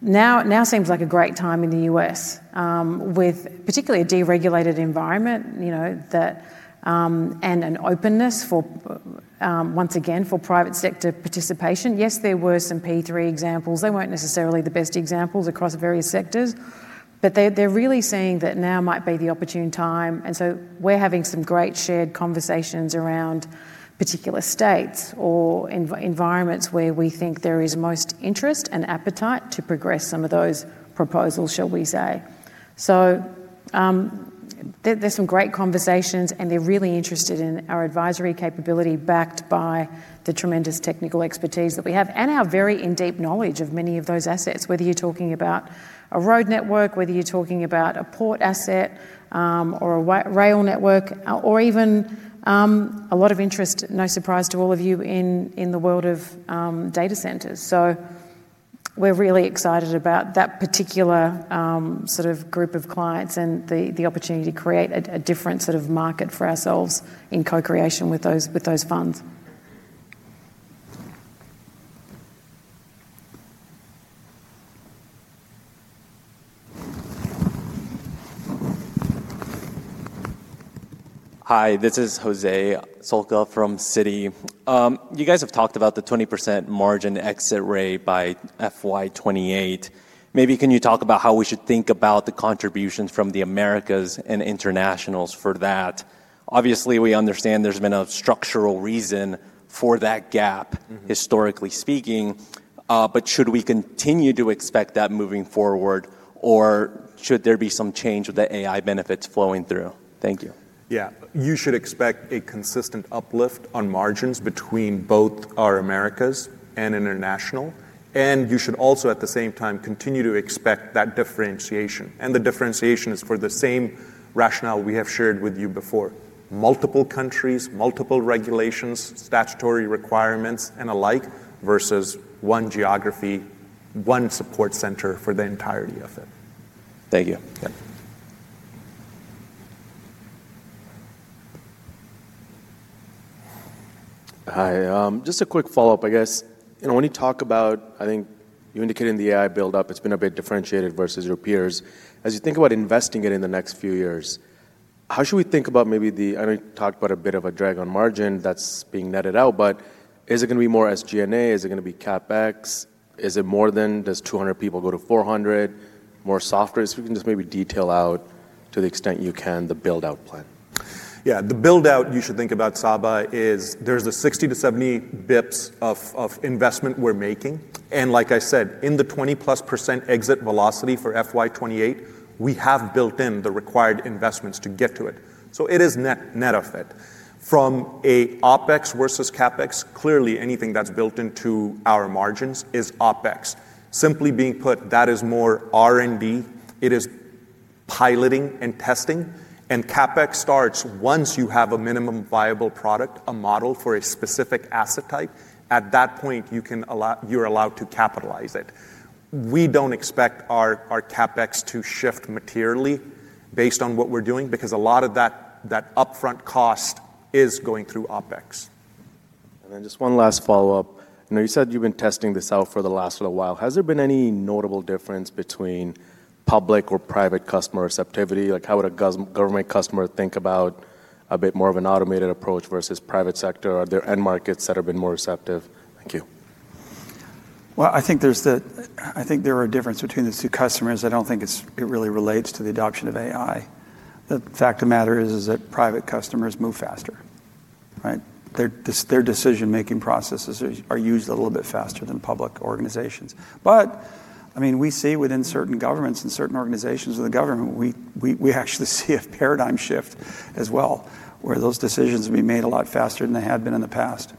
now seems like a great time in the U.S., with particularly a deregulated environment and an openness, once again, for private sector participation. Yes, there were some P3 examples. They weren't necessarily the best examples across various sectors. But they're really saying that now might be the opportune time. And so we're having some great shared conversations around particular states or environments where we think there is most interest and appetite to progress some of those proposals, shall we say. So there's some great conversations, and they're really interested in our advisory capability backed by the tremendous technical expertise that we have and our very in-depth knowledge of many of those assets, whether you're talking about a road network, whether you're talking about a port asset or a rail network, or even a lot of interest, no surprise to all of you, in the world of data centers. So we're really excited about that particular sort of group of clients and the opportunity to create a different sort of market for ourselves in co-creation with those funds. Hi. This is Jose Sulca from Citi. You guys have talked about the 20% margin exit rate by FY2028. Maybe can you talk about how we should think about the contributions from the Americas and internationals for that? Obviously, we understand there's been a structural reason for that gap, historically speaking. Should we continue to expect that moving forward, or should there be some change with the AI benefits flowing through? Thank you. Yeah. You should expect a consistent uplift on margins between both our Americas and International. You should also, at the same time, continue to expect that differentiation. The differentiation is for the same rationale we have shared with you before: multiple countries, multiple regulations, statutory requirements, and alike versus one geography, one support center for the entirety of it. Thank you. Hi. Just a quick follow-up, I guess. When you talk about, I think you indicated in the AI build-up, it's been a bit differentiated versus your peers. As you think about investing it in the next few years, how should we think about maybe the, I know you talked about a bit of a drag on margin that's being netted out, but is it going to be more SG&A? Is it going to be CapEx? Is it more than does 200 people go to 400? More software? If you can just maybe detail out, to the extent you can, the build-out plan. Yeah. The build-out you should think about, Saba, is there's the 60-70 bps of investment we're making. Like I said, in the 20+% exit velocity for FY2028, we have built in the required investments to get to it. It is net of it. From an OpEx versus CapEx, clearly anything that's built into our margins is OpEx. Simply being put, that is more R&D. It is piloting and testing. CapEx starts once you have a minimum viable product, a model for a specific asset type. At that point, you're allowed to capitalize it. We don't expect our CapEx to shift materially based on what we're doing because a lot of that upfront cost is going through OpEx. Just one last follow-up. You said you've been testing this out for the last little while. Has there been any notable difference between public or private customer receptivity? How would a government customer think about a bit more of an automated approach versus private sector? Are there end markets that have been more receptive? Thank you. I think there are a difference between the two customers. I don't think it really relates to the adoption of AI. The fact of the matter is that private customers move faster. Their decision-making processes are used a little bit faster than public organizations. I mean, we see within certain governments and certain organizations of the government, we actually see a paradigm shift as well, where those decisions will be made a lot faster than they had been in the past.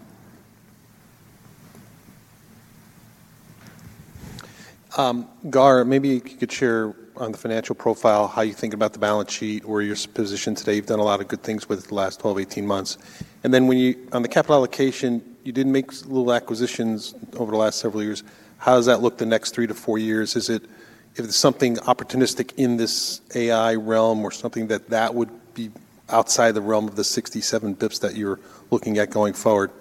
Gaur, maybe you could share on the financial profile how you think about the balance sheet or your position today. You've done a lot of good things with it the last 12-18 months. On the capital allocation, you did make little acquisitions over the last several years. How does that look the next three to four years? Is it something opportunistic in this AI realm or something that would be outside the realm of the 67 bps that you're looking at going forward?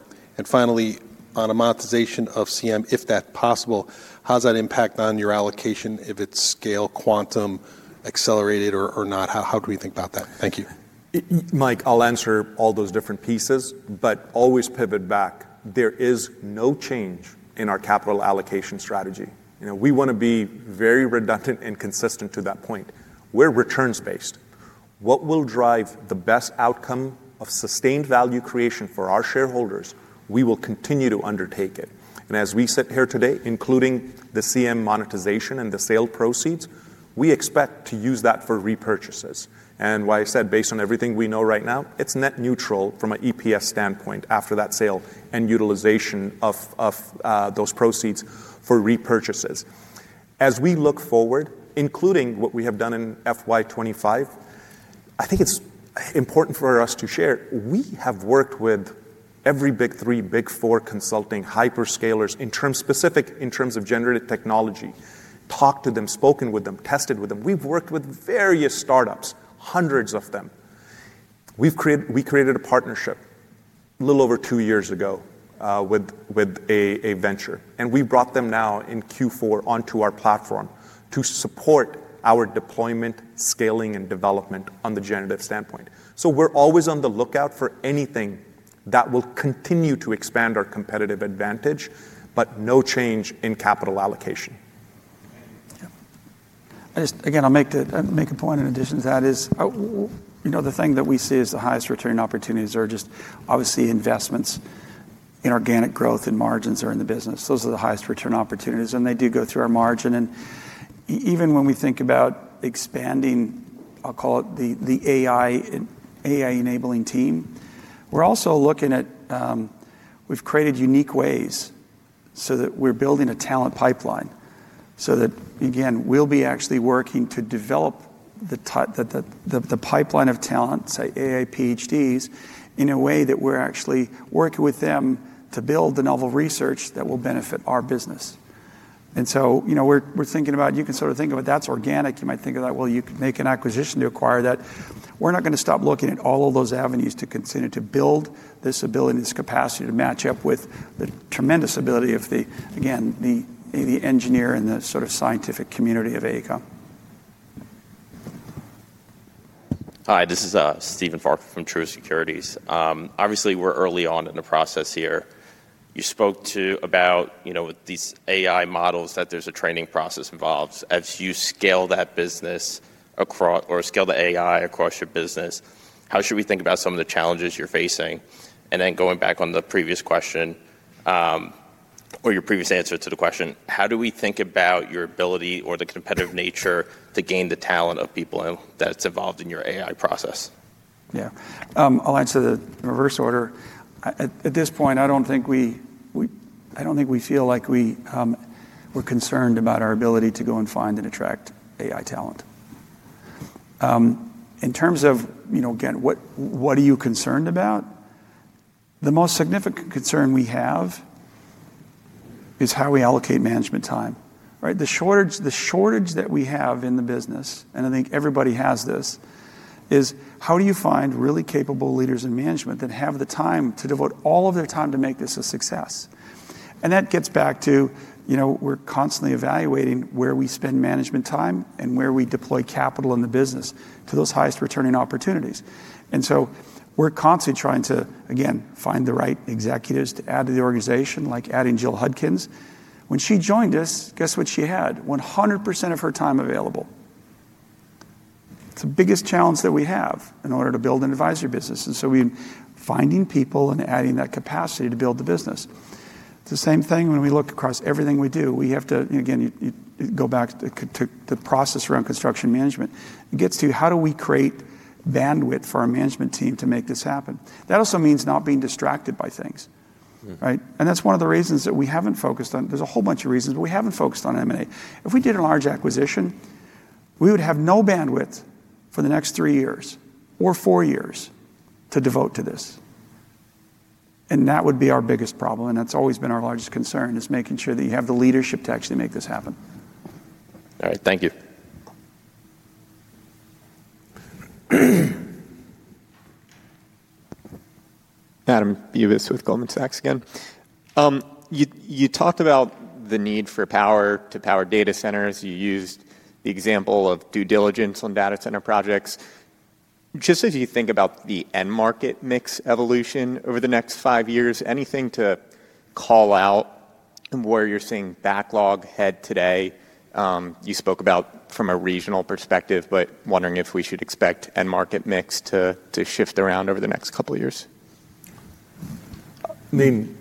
Finally, on amortization of CM, if that's possible, how does that impact on your allocation if it's scale, quantum, accelerated, or not? How do we think about that? Thank you. Mike, I'll answer all those different pieces, but always pivot back. There is no change in our capital allocation strategy. We want to be very redundant and consistent to that point. We're returns-based. What will drive the best outcome of sustained value creation for our shareholders, we will continue to undertake it. As we sit here today, including the CM monetization and the sale proceeds, we expect to use that for repurchases. Why I said based on everything we know right now, it is net neutral from an EPS standpoint after that sale and utilization of those proceeds for repurchases. As we look forward, including what we have done in FY2025, I think it is important for us to share. We have worked with every Big 3, Big 4 consulting hyperscalers specific in terms of generative technology, talked to them, spoken with them, tested with them. We have worked with various startups, hundreds of them. We created a partnership a little over two years ago with a venture. We brought them now in Q4 onto our platform to support our deployment, scaling, and development on the generative standpoint. We are always on the lookout for anything that will continue to expand our competitive advantage, but no change in capital allocation. Again, I'll make a point in addition to that is the thing that we see as the highest return opportunities are just obviously investments in organic growth and margins are in the business. Those are the highest return opportunities. They do go through our margin. Even when we think about expanding, I'll call it the AI enabling team, we're also looking at we've created unique ways so that we're building a talent pipeline so that, again, we'll be actually working to develop the pipeline of talent, say, AI PhDs, in a way that we're actually working with them to build the novel research that will benefit our business. We're thinking about you can sort of think about that's organic. You might think about, well, you could make an acquisition to acquire that. We're not going to stop looking at all of those avenues to continue to build this ability and this capacity to match up with the tremendous ability of, again, the engineer and the sort of scientific community of AECOM. Hi. This is Steven Fark from Truist Securities. Obviously, we're early on in the process here. You spoke about these AI models that there's a training process involved. As you scale that business or scale the AI across your business, how should we think about some of the challenges you're facing? Going back on the previous question or your previous answer to the question, how do we think about your ability or the competitive nature to gain the talent of people that's involved in your AI process? Yeah. I'll answer the reverse order. At this point, I don't think we feel like we're concerned about our ability to go and find and attract AI talent. In terms of, again, what are you concerned about? The most significant concern we have is how we allocate management time. The shortage that we have in the business, and I think everybody has this, is how do you find really capable leaders in management that have the time to devote all of their time to make this a success? That gets back to we're constantly evaluating where we spend management time and where we deploy capital in the business to those highest returning opportunities. We're constantly trying to, again, find the right executives to add to the organization, like adding Jill Hudkins. When she joined us, guess what she had? 100% of her time available. It's the biggest challenge that we have in order to build an Advisory business. We're finding people and adding that capacity to build the business. It's the same thing when we look across everything we do. We have to, again, go back to the process around Construction Management. It gets to how do we create bandwidth for our management team to make this happen? That also means not being distracted by things. That's one of the reasons that we haven't focused on, there's a whole bunch of reasons, but we haven't focused on M&A. If we did a large acquisition, we would have no bandwidth for the next three years or four years to devote to this. That would be our biggest problem. That's always been our largest concern, making sure that you have the leadership to actually make this happen. All right. Thank you. Adam Bubes with Goldman Sachs again. You talked about the need for power to power data centers. You used the example of due diligence on data center projects. Just as you think about the end market mix evolution over the next five years, anything to call out where you're seeing backlog head today? You spoke about from a regional perspective, but wondering if we should expect end market mix to shift around over the next couple of years. I mean,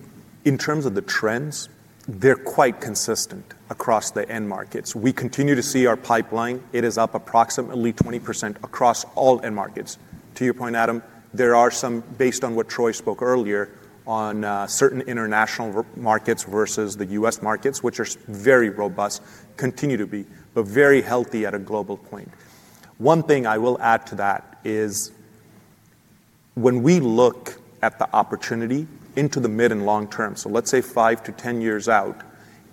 in terms of the trends, they're quite consistent across the end markets. We continue to see our pipeline. It is up approximately 20% across all end markets. To your point, Adam, there are some, based on what Troy spoke earlier, on certain international markets versus the U.S. markets, which are very robust, continue to be, but very healthy at a global point. One thing I will add to that is when we look at the opportunity into the mid and long term, so let's say 5-10 years out,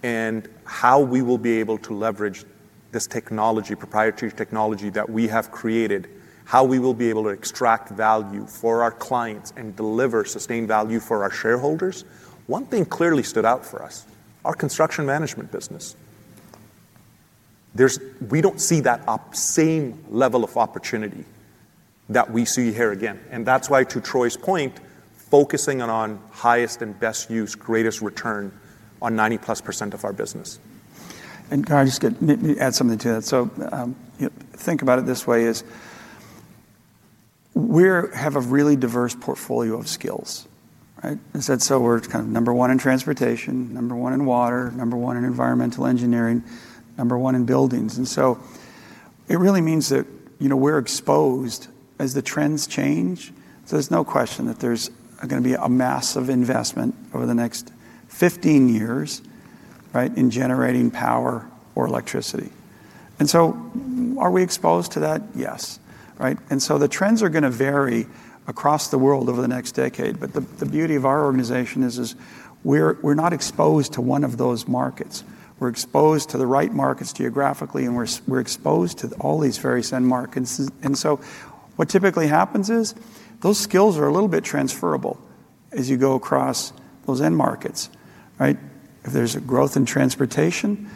and how we will be able to leverage this technology, proprietary technology that we have created, how we will be able to extract value for our clients and deliver sustained value for our shareholders, one thing clearly stood out for us: our Construction Management business. We do not see that same level of opportunity that we see here again. That is why, to Troy's point, focusing on highest and best use, greatest return on 90%+ of our business. Can I just add something to that? Think about it this way: we have a really diverse portfolio of skills. We're kind of number one in transportation, number one in water, number one in environmental engineering, number one in buildings. It really means that we're exposed as the trends change. There's no question that there's going to be a massive investment over the next 15 years in generating power or electricity. Are we exposed to that? Yes. The trends are going to vary across the world over the next decade. The beauty of our organization is we're not exposed to one of those markets. We're exposed to the right markets geographically, and we're exposed to all these various end markets. What typically happens is those skills are a little bit transferable as you go across those end markets. If there is a growth in transportation,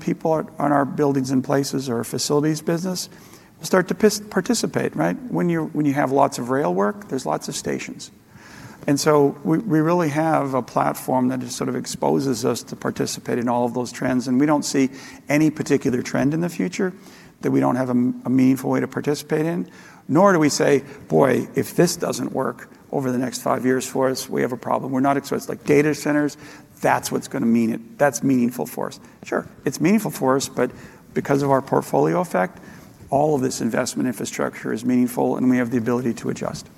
people on our buildings and places or our facilities business will start to participate. When you have lots of rail work, there are lots of stations. We really have a platform that sort of exposes us to participate in all of those trends. We do not see any particular trend in the future that we do not have a meaningful way to participate in, nor do we say, "Boy, if this does not work over the next five years for us, we have a problem." We are not exposed. Like data centers, that is what is going to mean it. That is meaningful for us. Sure, it's meaningful for us, but because of our portfolio effect, all of this investment infrastructure is meaningful, and we have the ability to adjust.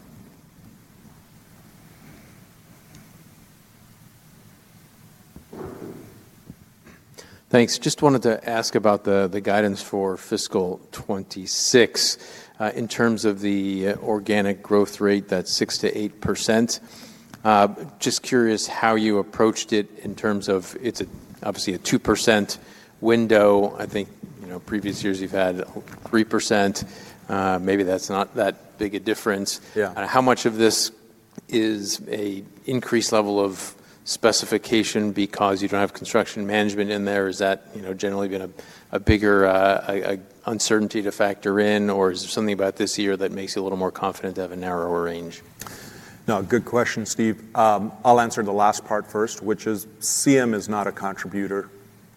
Thanks. Just wanted to ask about the guidance for fiscal 2026 in terms of the organic growth rate, that 6%-8%. Just curious how you approached it in terms of it's obviously a 2% window. I think previous years you've had 3%. Maybe that's not that big a difference. How much of this is an increased level of specification because you don't have Construction Management in there? Is that generally been a bigger uncertainty to factor in, or is there something about this year that makes you a little more confident to have a narrower range? No, good question, Steve. I'll answer the last part first, which is CM is not a contributor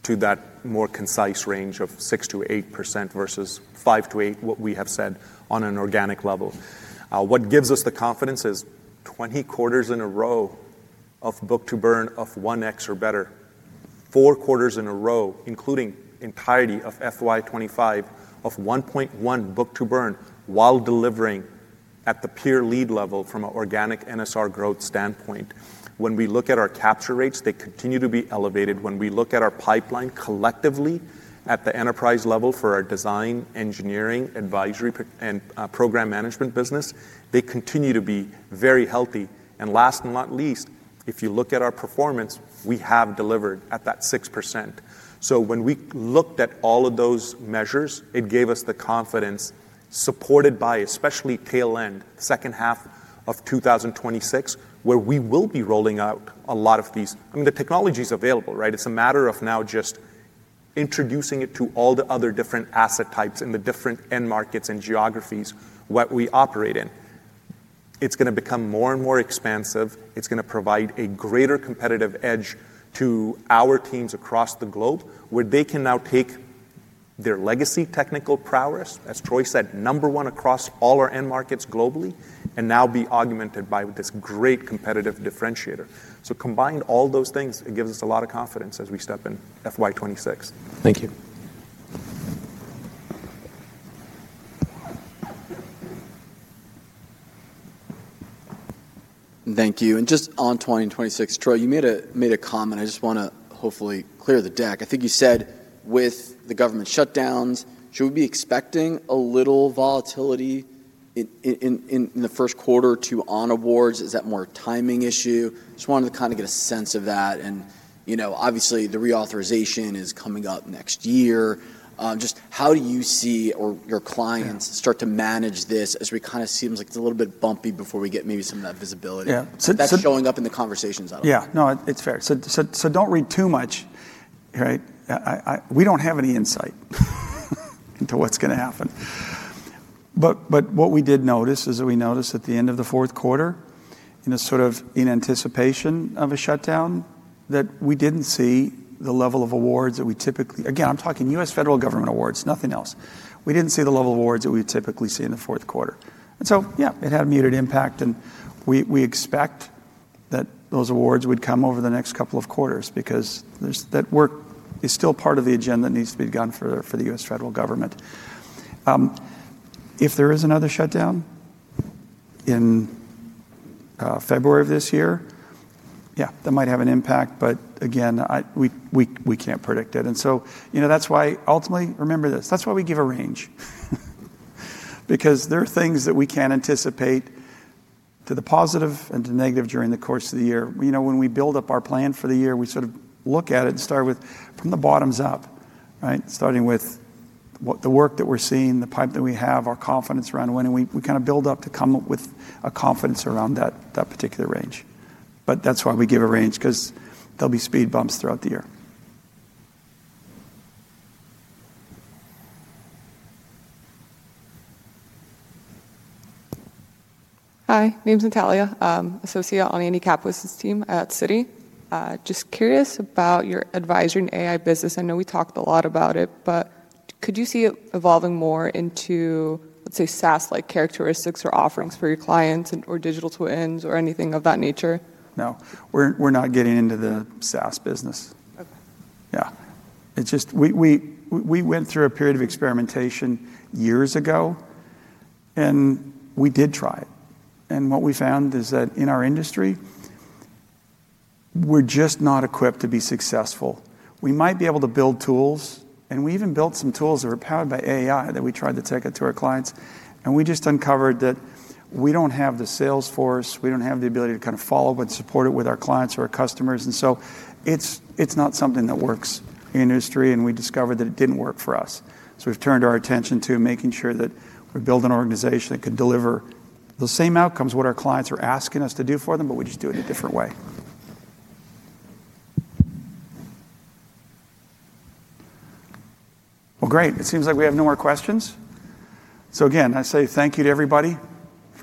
to that more concise range of 6%-8% versus 5%-8%, what we have said on an organic level. What gives us the confidence is 20 quarters in a row of book to burn of 1x or better, four quarters in a row, including entirety of FY2025, of 1.1 book to burn while delivering at the peer lead level from an organic NSR growth standpoint. When we look at our capture rates, they continue to be elevated. When we look at our pipeline collectively at the enterprise level for our Design, Engineering, Advisory, and Program Management business, they continue to be very healthy. Last but not least, if you look at our performance, we have delivered at that 6%. When we looked at all of those measures, it gave us the confidence supported by especially tail end, second half of 2026, where we will be rolling out a lot of these. I mean, the technology is available. It is a matter of now just introducing it to all the other different asset types in the different end markets and geographies that we operate in. It is going to become more and more expansive. It is going to provide a greater competitive edge to our teams across the globe where they can now take their legacy technical prowess, as Troy said, number one across all our end markets globally, and now be augmented by this great competitive differentiator. Combined, all those things give us a lot of confidence as we step in FY2026. Thank you. Thank you. Just on 2026, Troy, you made a comment. I just want to hopefully clear the deck. I think you said with the government shutdowns, should we be expecting a little volatility in the first quarter to honor awards? Is that more a timing issue? Just wanted to kind of get a sense of that. Obviously, the reauthorization is coming up next year. Just how do you see your clients start to manage this as we kind of see it seems like it's a little bit bumpy before we get maybe some of that visibility? Is that showing up in the conversations? Yeah. No, it's fair. So don't read too much. We don't have any insight into what's going to happen. What we did notice is that we noticed at the end of the fourth quarter, sort of in anticipation of a shutdown, that we didn't see the level of awards that we typically—again, I'm talking U.S. federal government awards, nothing else. We didn't see the level of awards that we would typically see in the fourth quarter. Yeah, it had a muted impact. We expect that those awards would come over the next couple of quarters because that work is still part of the agenda that needs to be done for the U.S. federal government. If there is another shutdown in February of this year, yeah, that might have an impact. Again, we can't predict it. That is why ultimately, remember this, that is why we give a range, because there are things that we can anticipate to the positive and to negative during the course of the year. When we build up our plan for the year, we sort of look at it and start with from the bottoms up, starting with the work that we are seeing, the pipe that we have, our confidence around when we kind of build up to come up with a confidence around that particular range. That is why we give a range, because there will be speed bumps throughout the year. Hi. Name's Natalia. I'm associate on Andy Kaplowitz's team at Citi. Just curious about your advisory and AI business. I know we talked a lot about it, but could you see it evolving more into, let's say, SaaS-like characteristics or offerings for your clients or digital twins or anything of that nature? No. We're not getting into the SaaS business. Yeah. We went through a period of experimentation years ago, and we did try it. What we found is that in our industry, we're just not equipped to be successful. We might be able to build tools, and we even built some tools that were powered by AI that we tried to take to our clients. We just uncovered that we don't have the sales force. We don't have the ability to kind of follow up and support it with our clients or our customers. It is not something that works in the industry. We discovered that it didn't work for us. We have turned our attention to making sure that we build an organization that can deliver the same outcomes, what our clients are asking us to do for them, but we just do it a different way. Great. It seems like we have no more questions. Again, I say thank you to everybody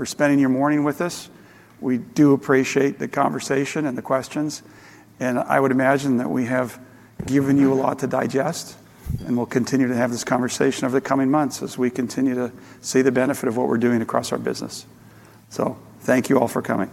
for spending your morning with us. We do appreciate the conversation and the questions. I would imagine that we have given you a lot to digest, and we will continue to have this conversation over the coming months as we continue to see the benefit of what we are doing across our business. Thank you all for coming.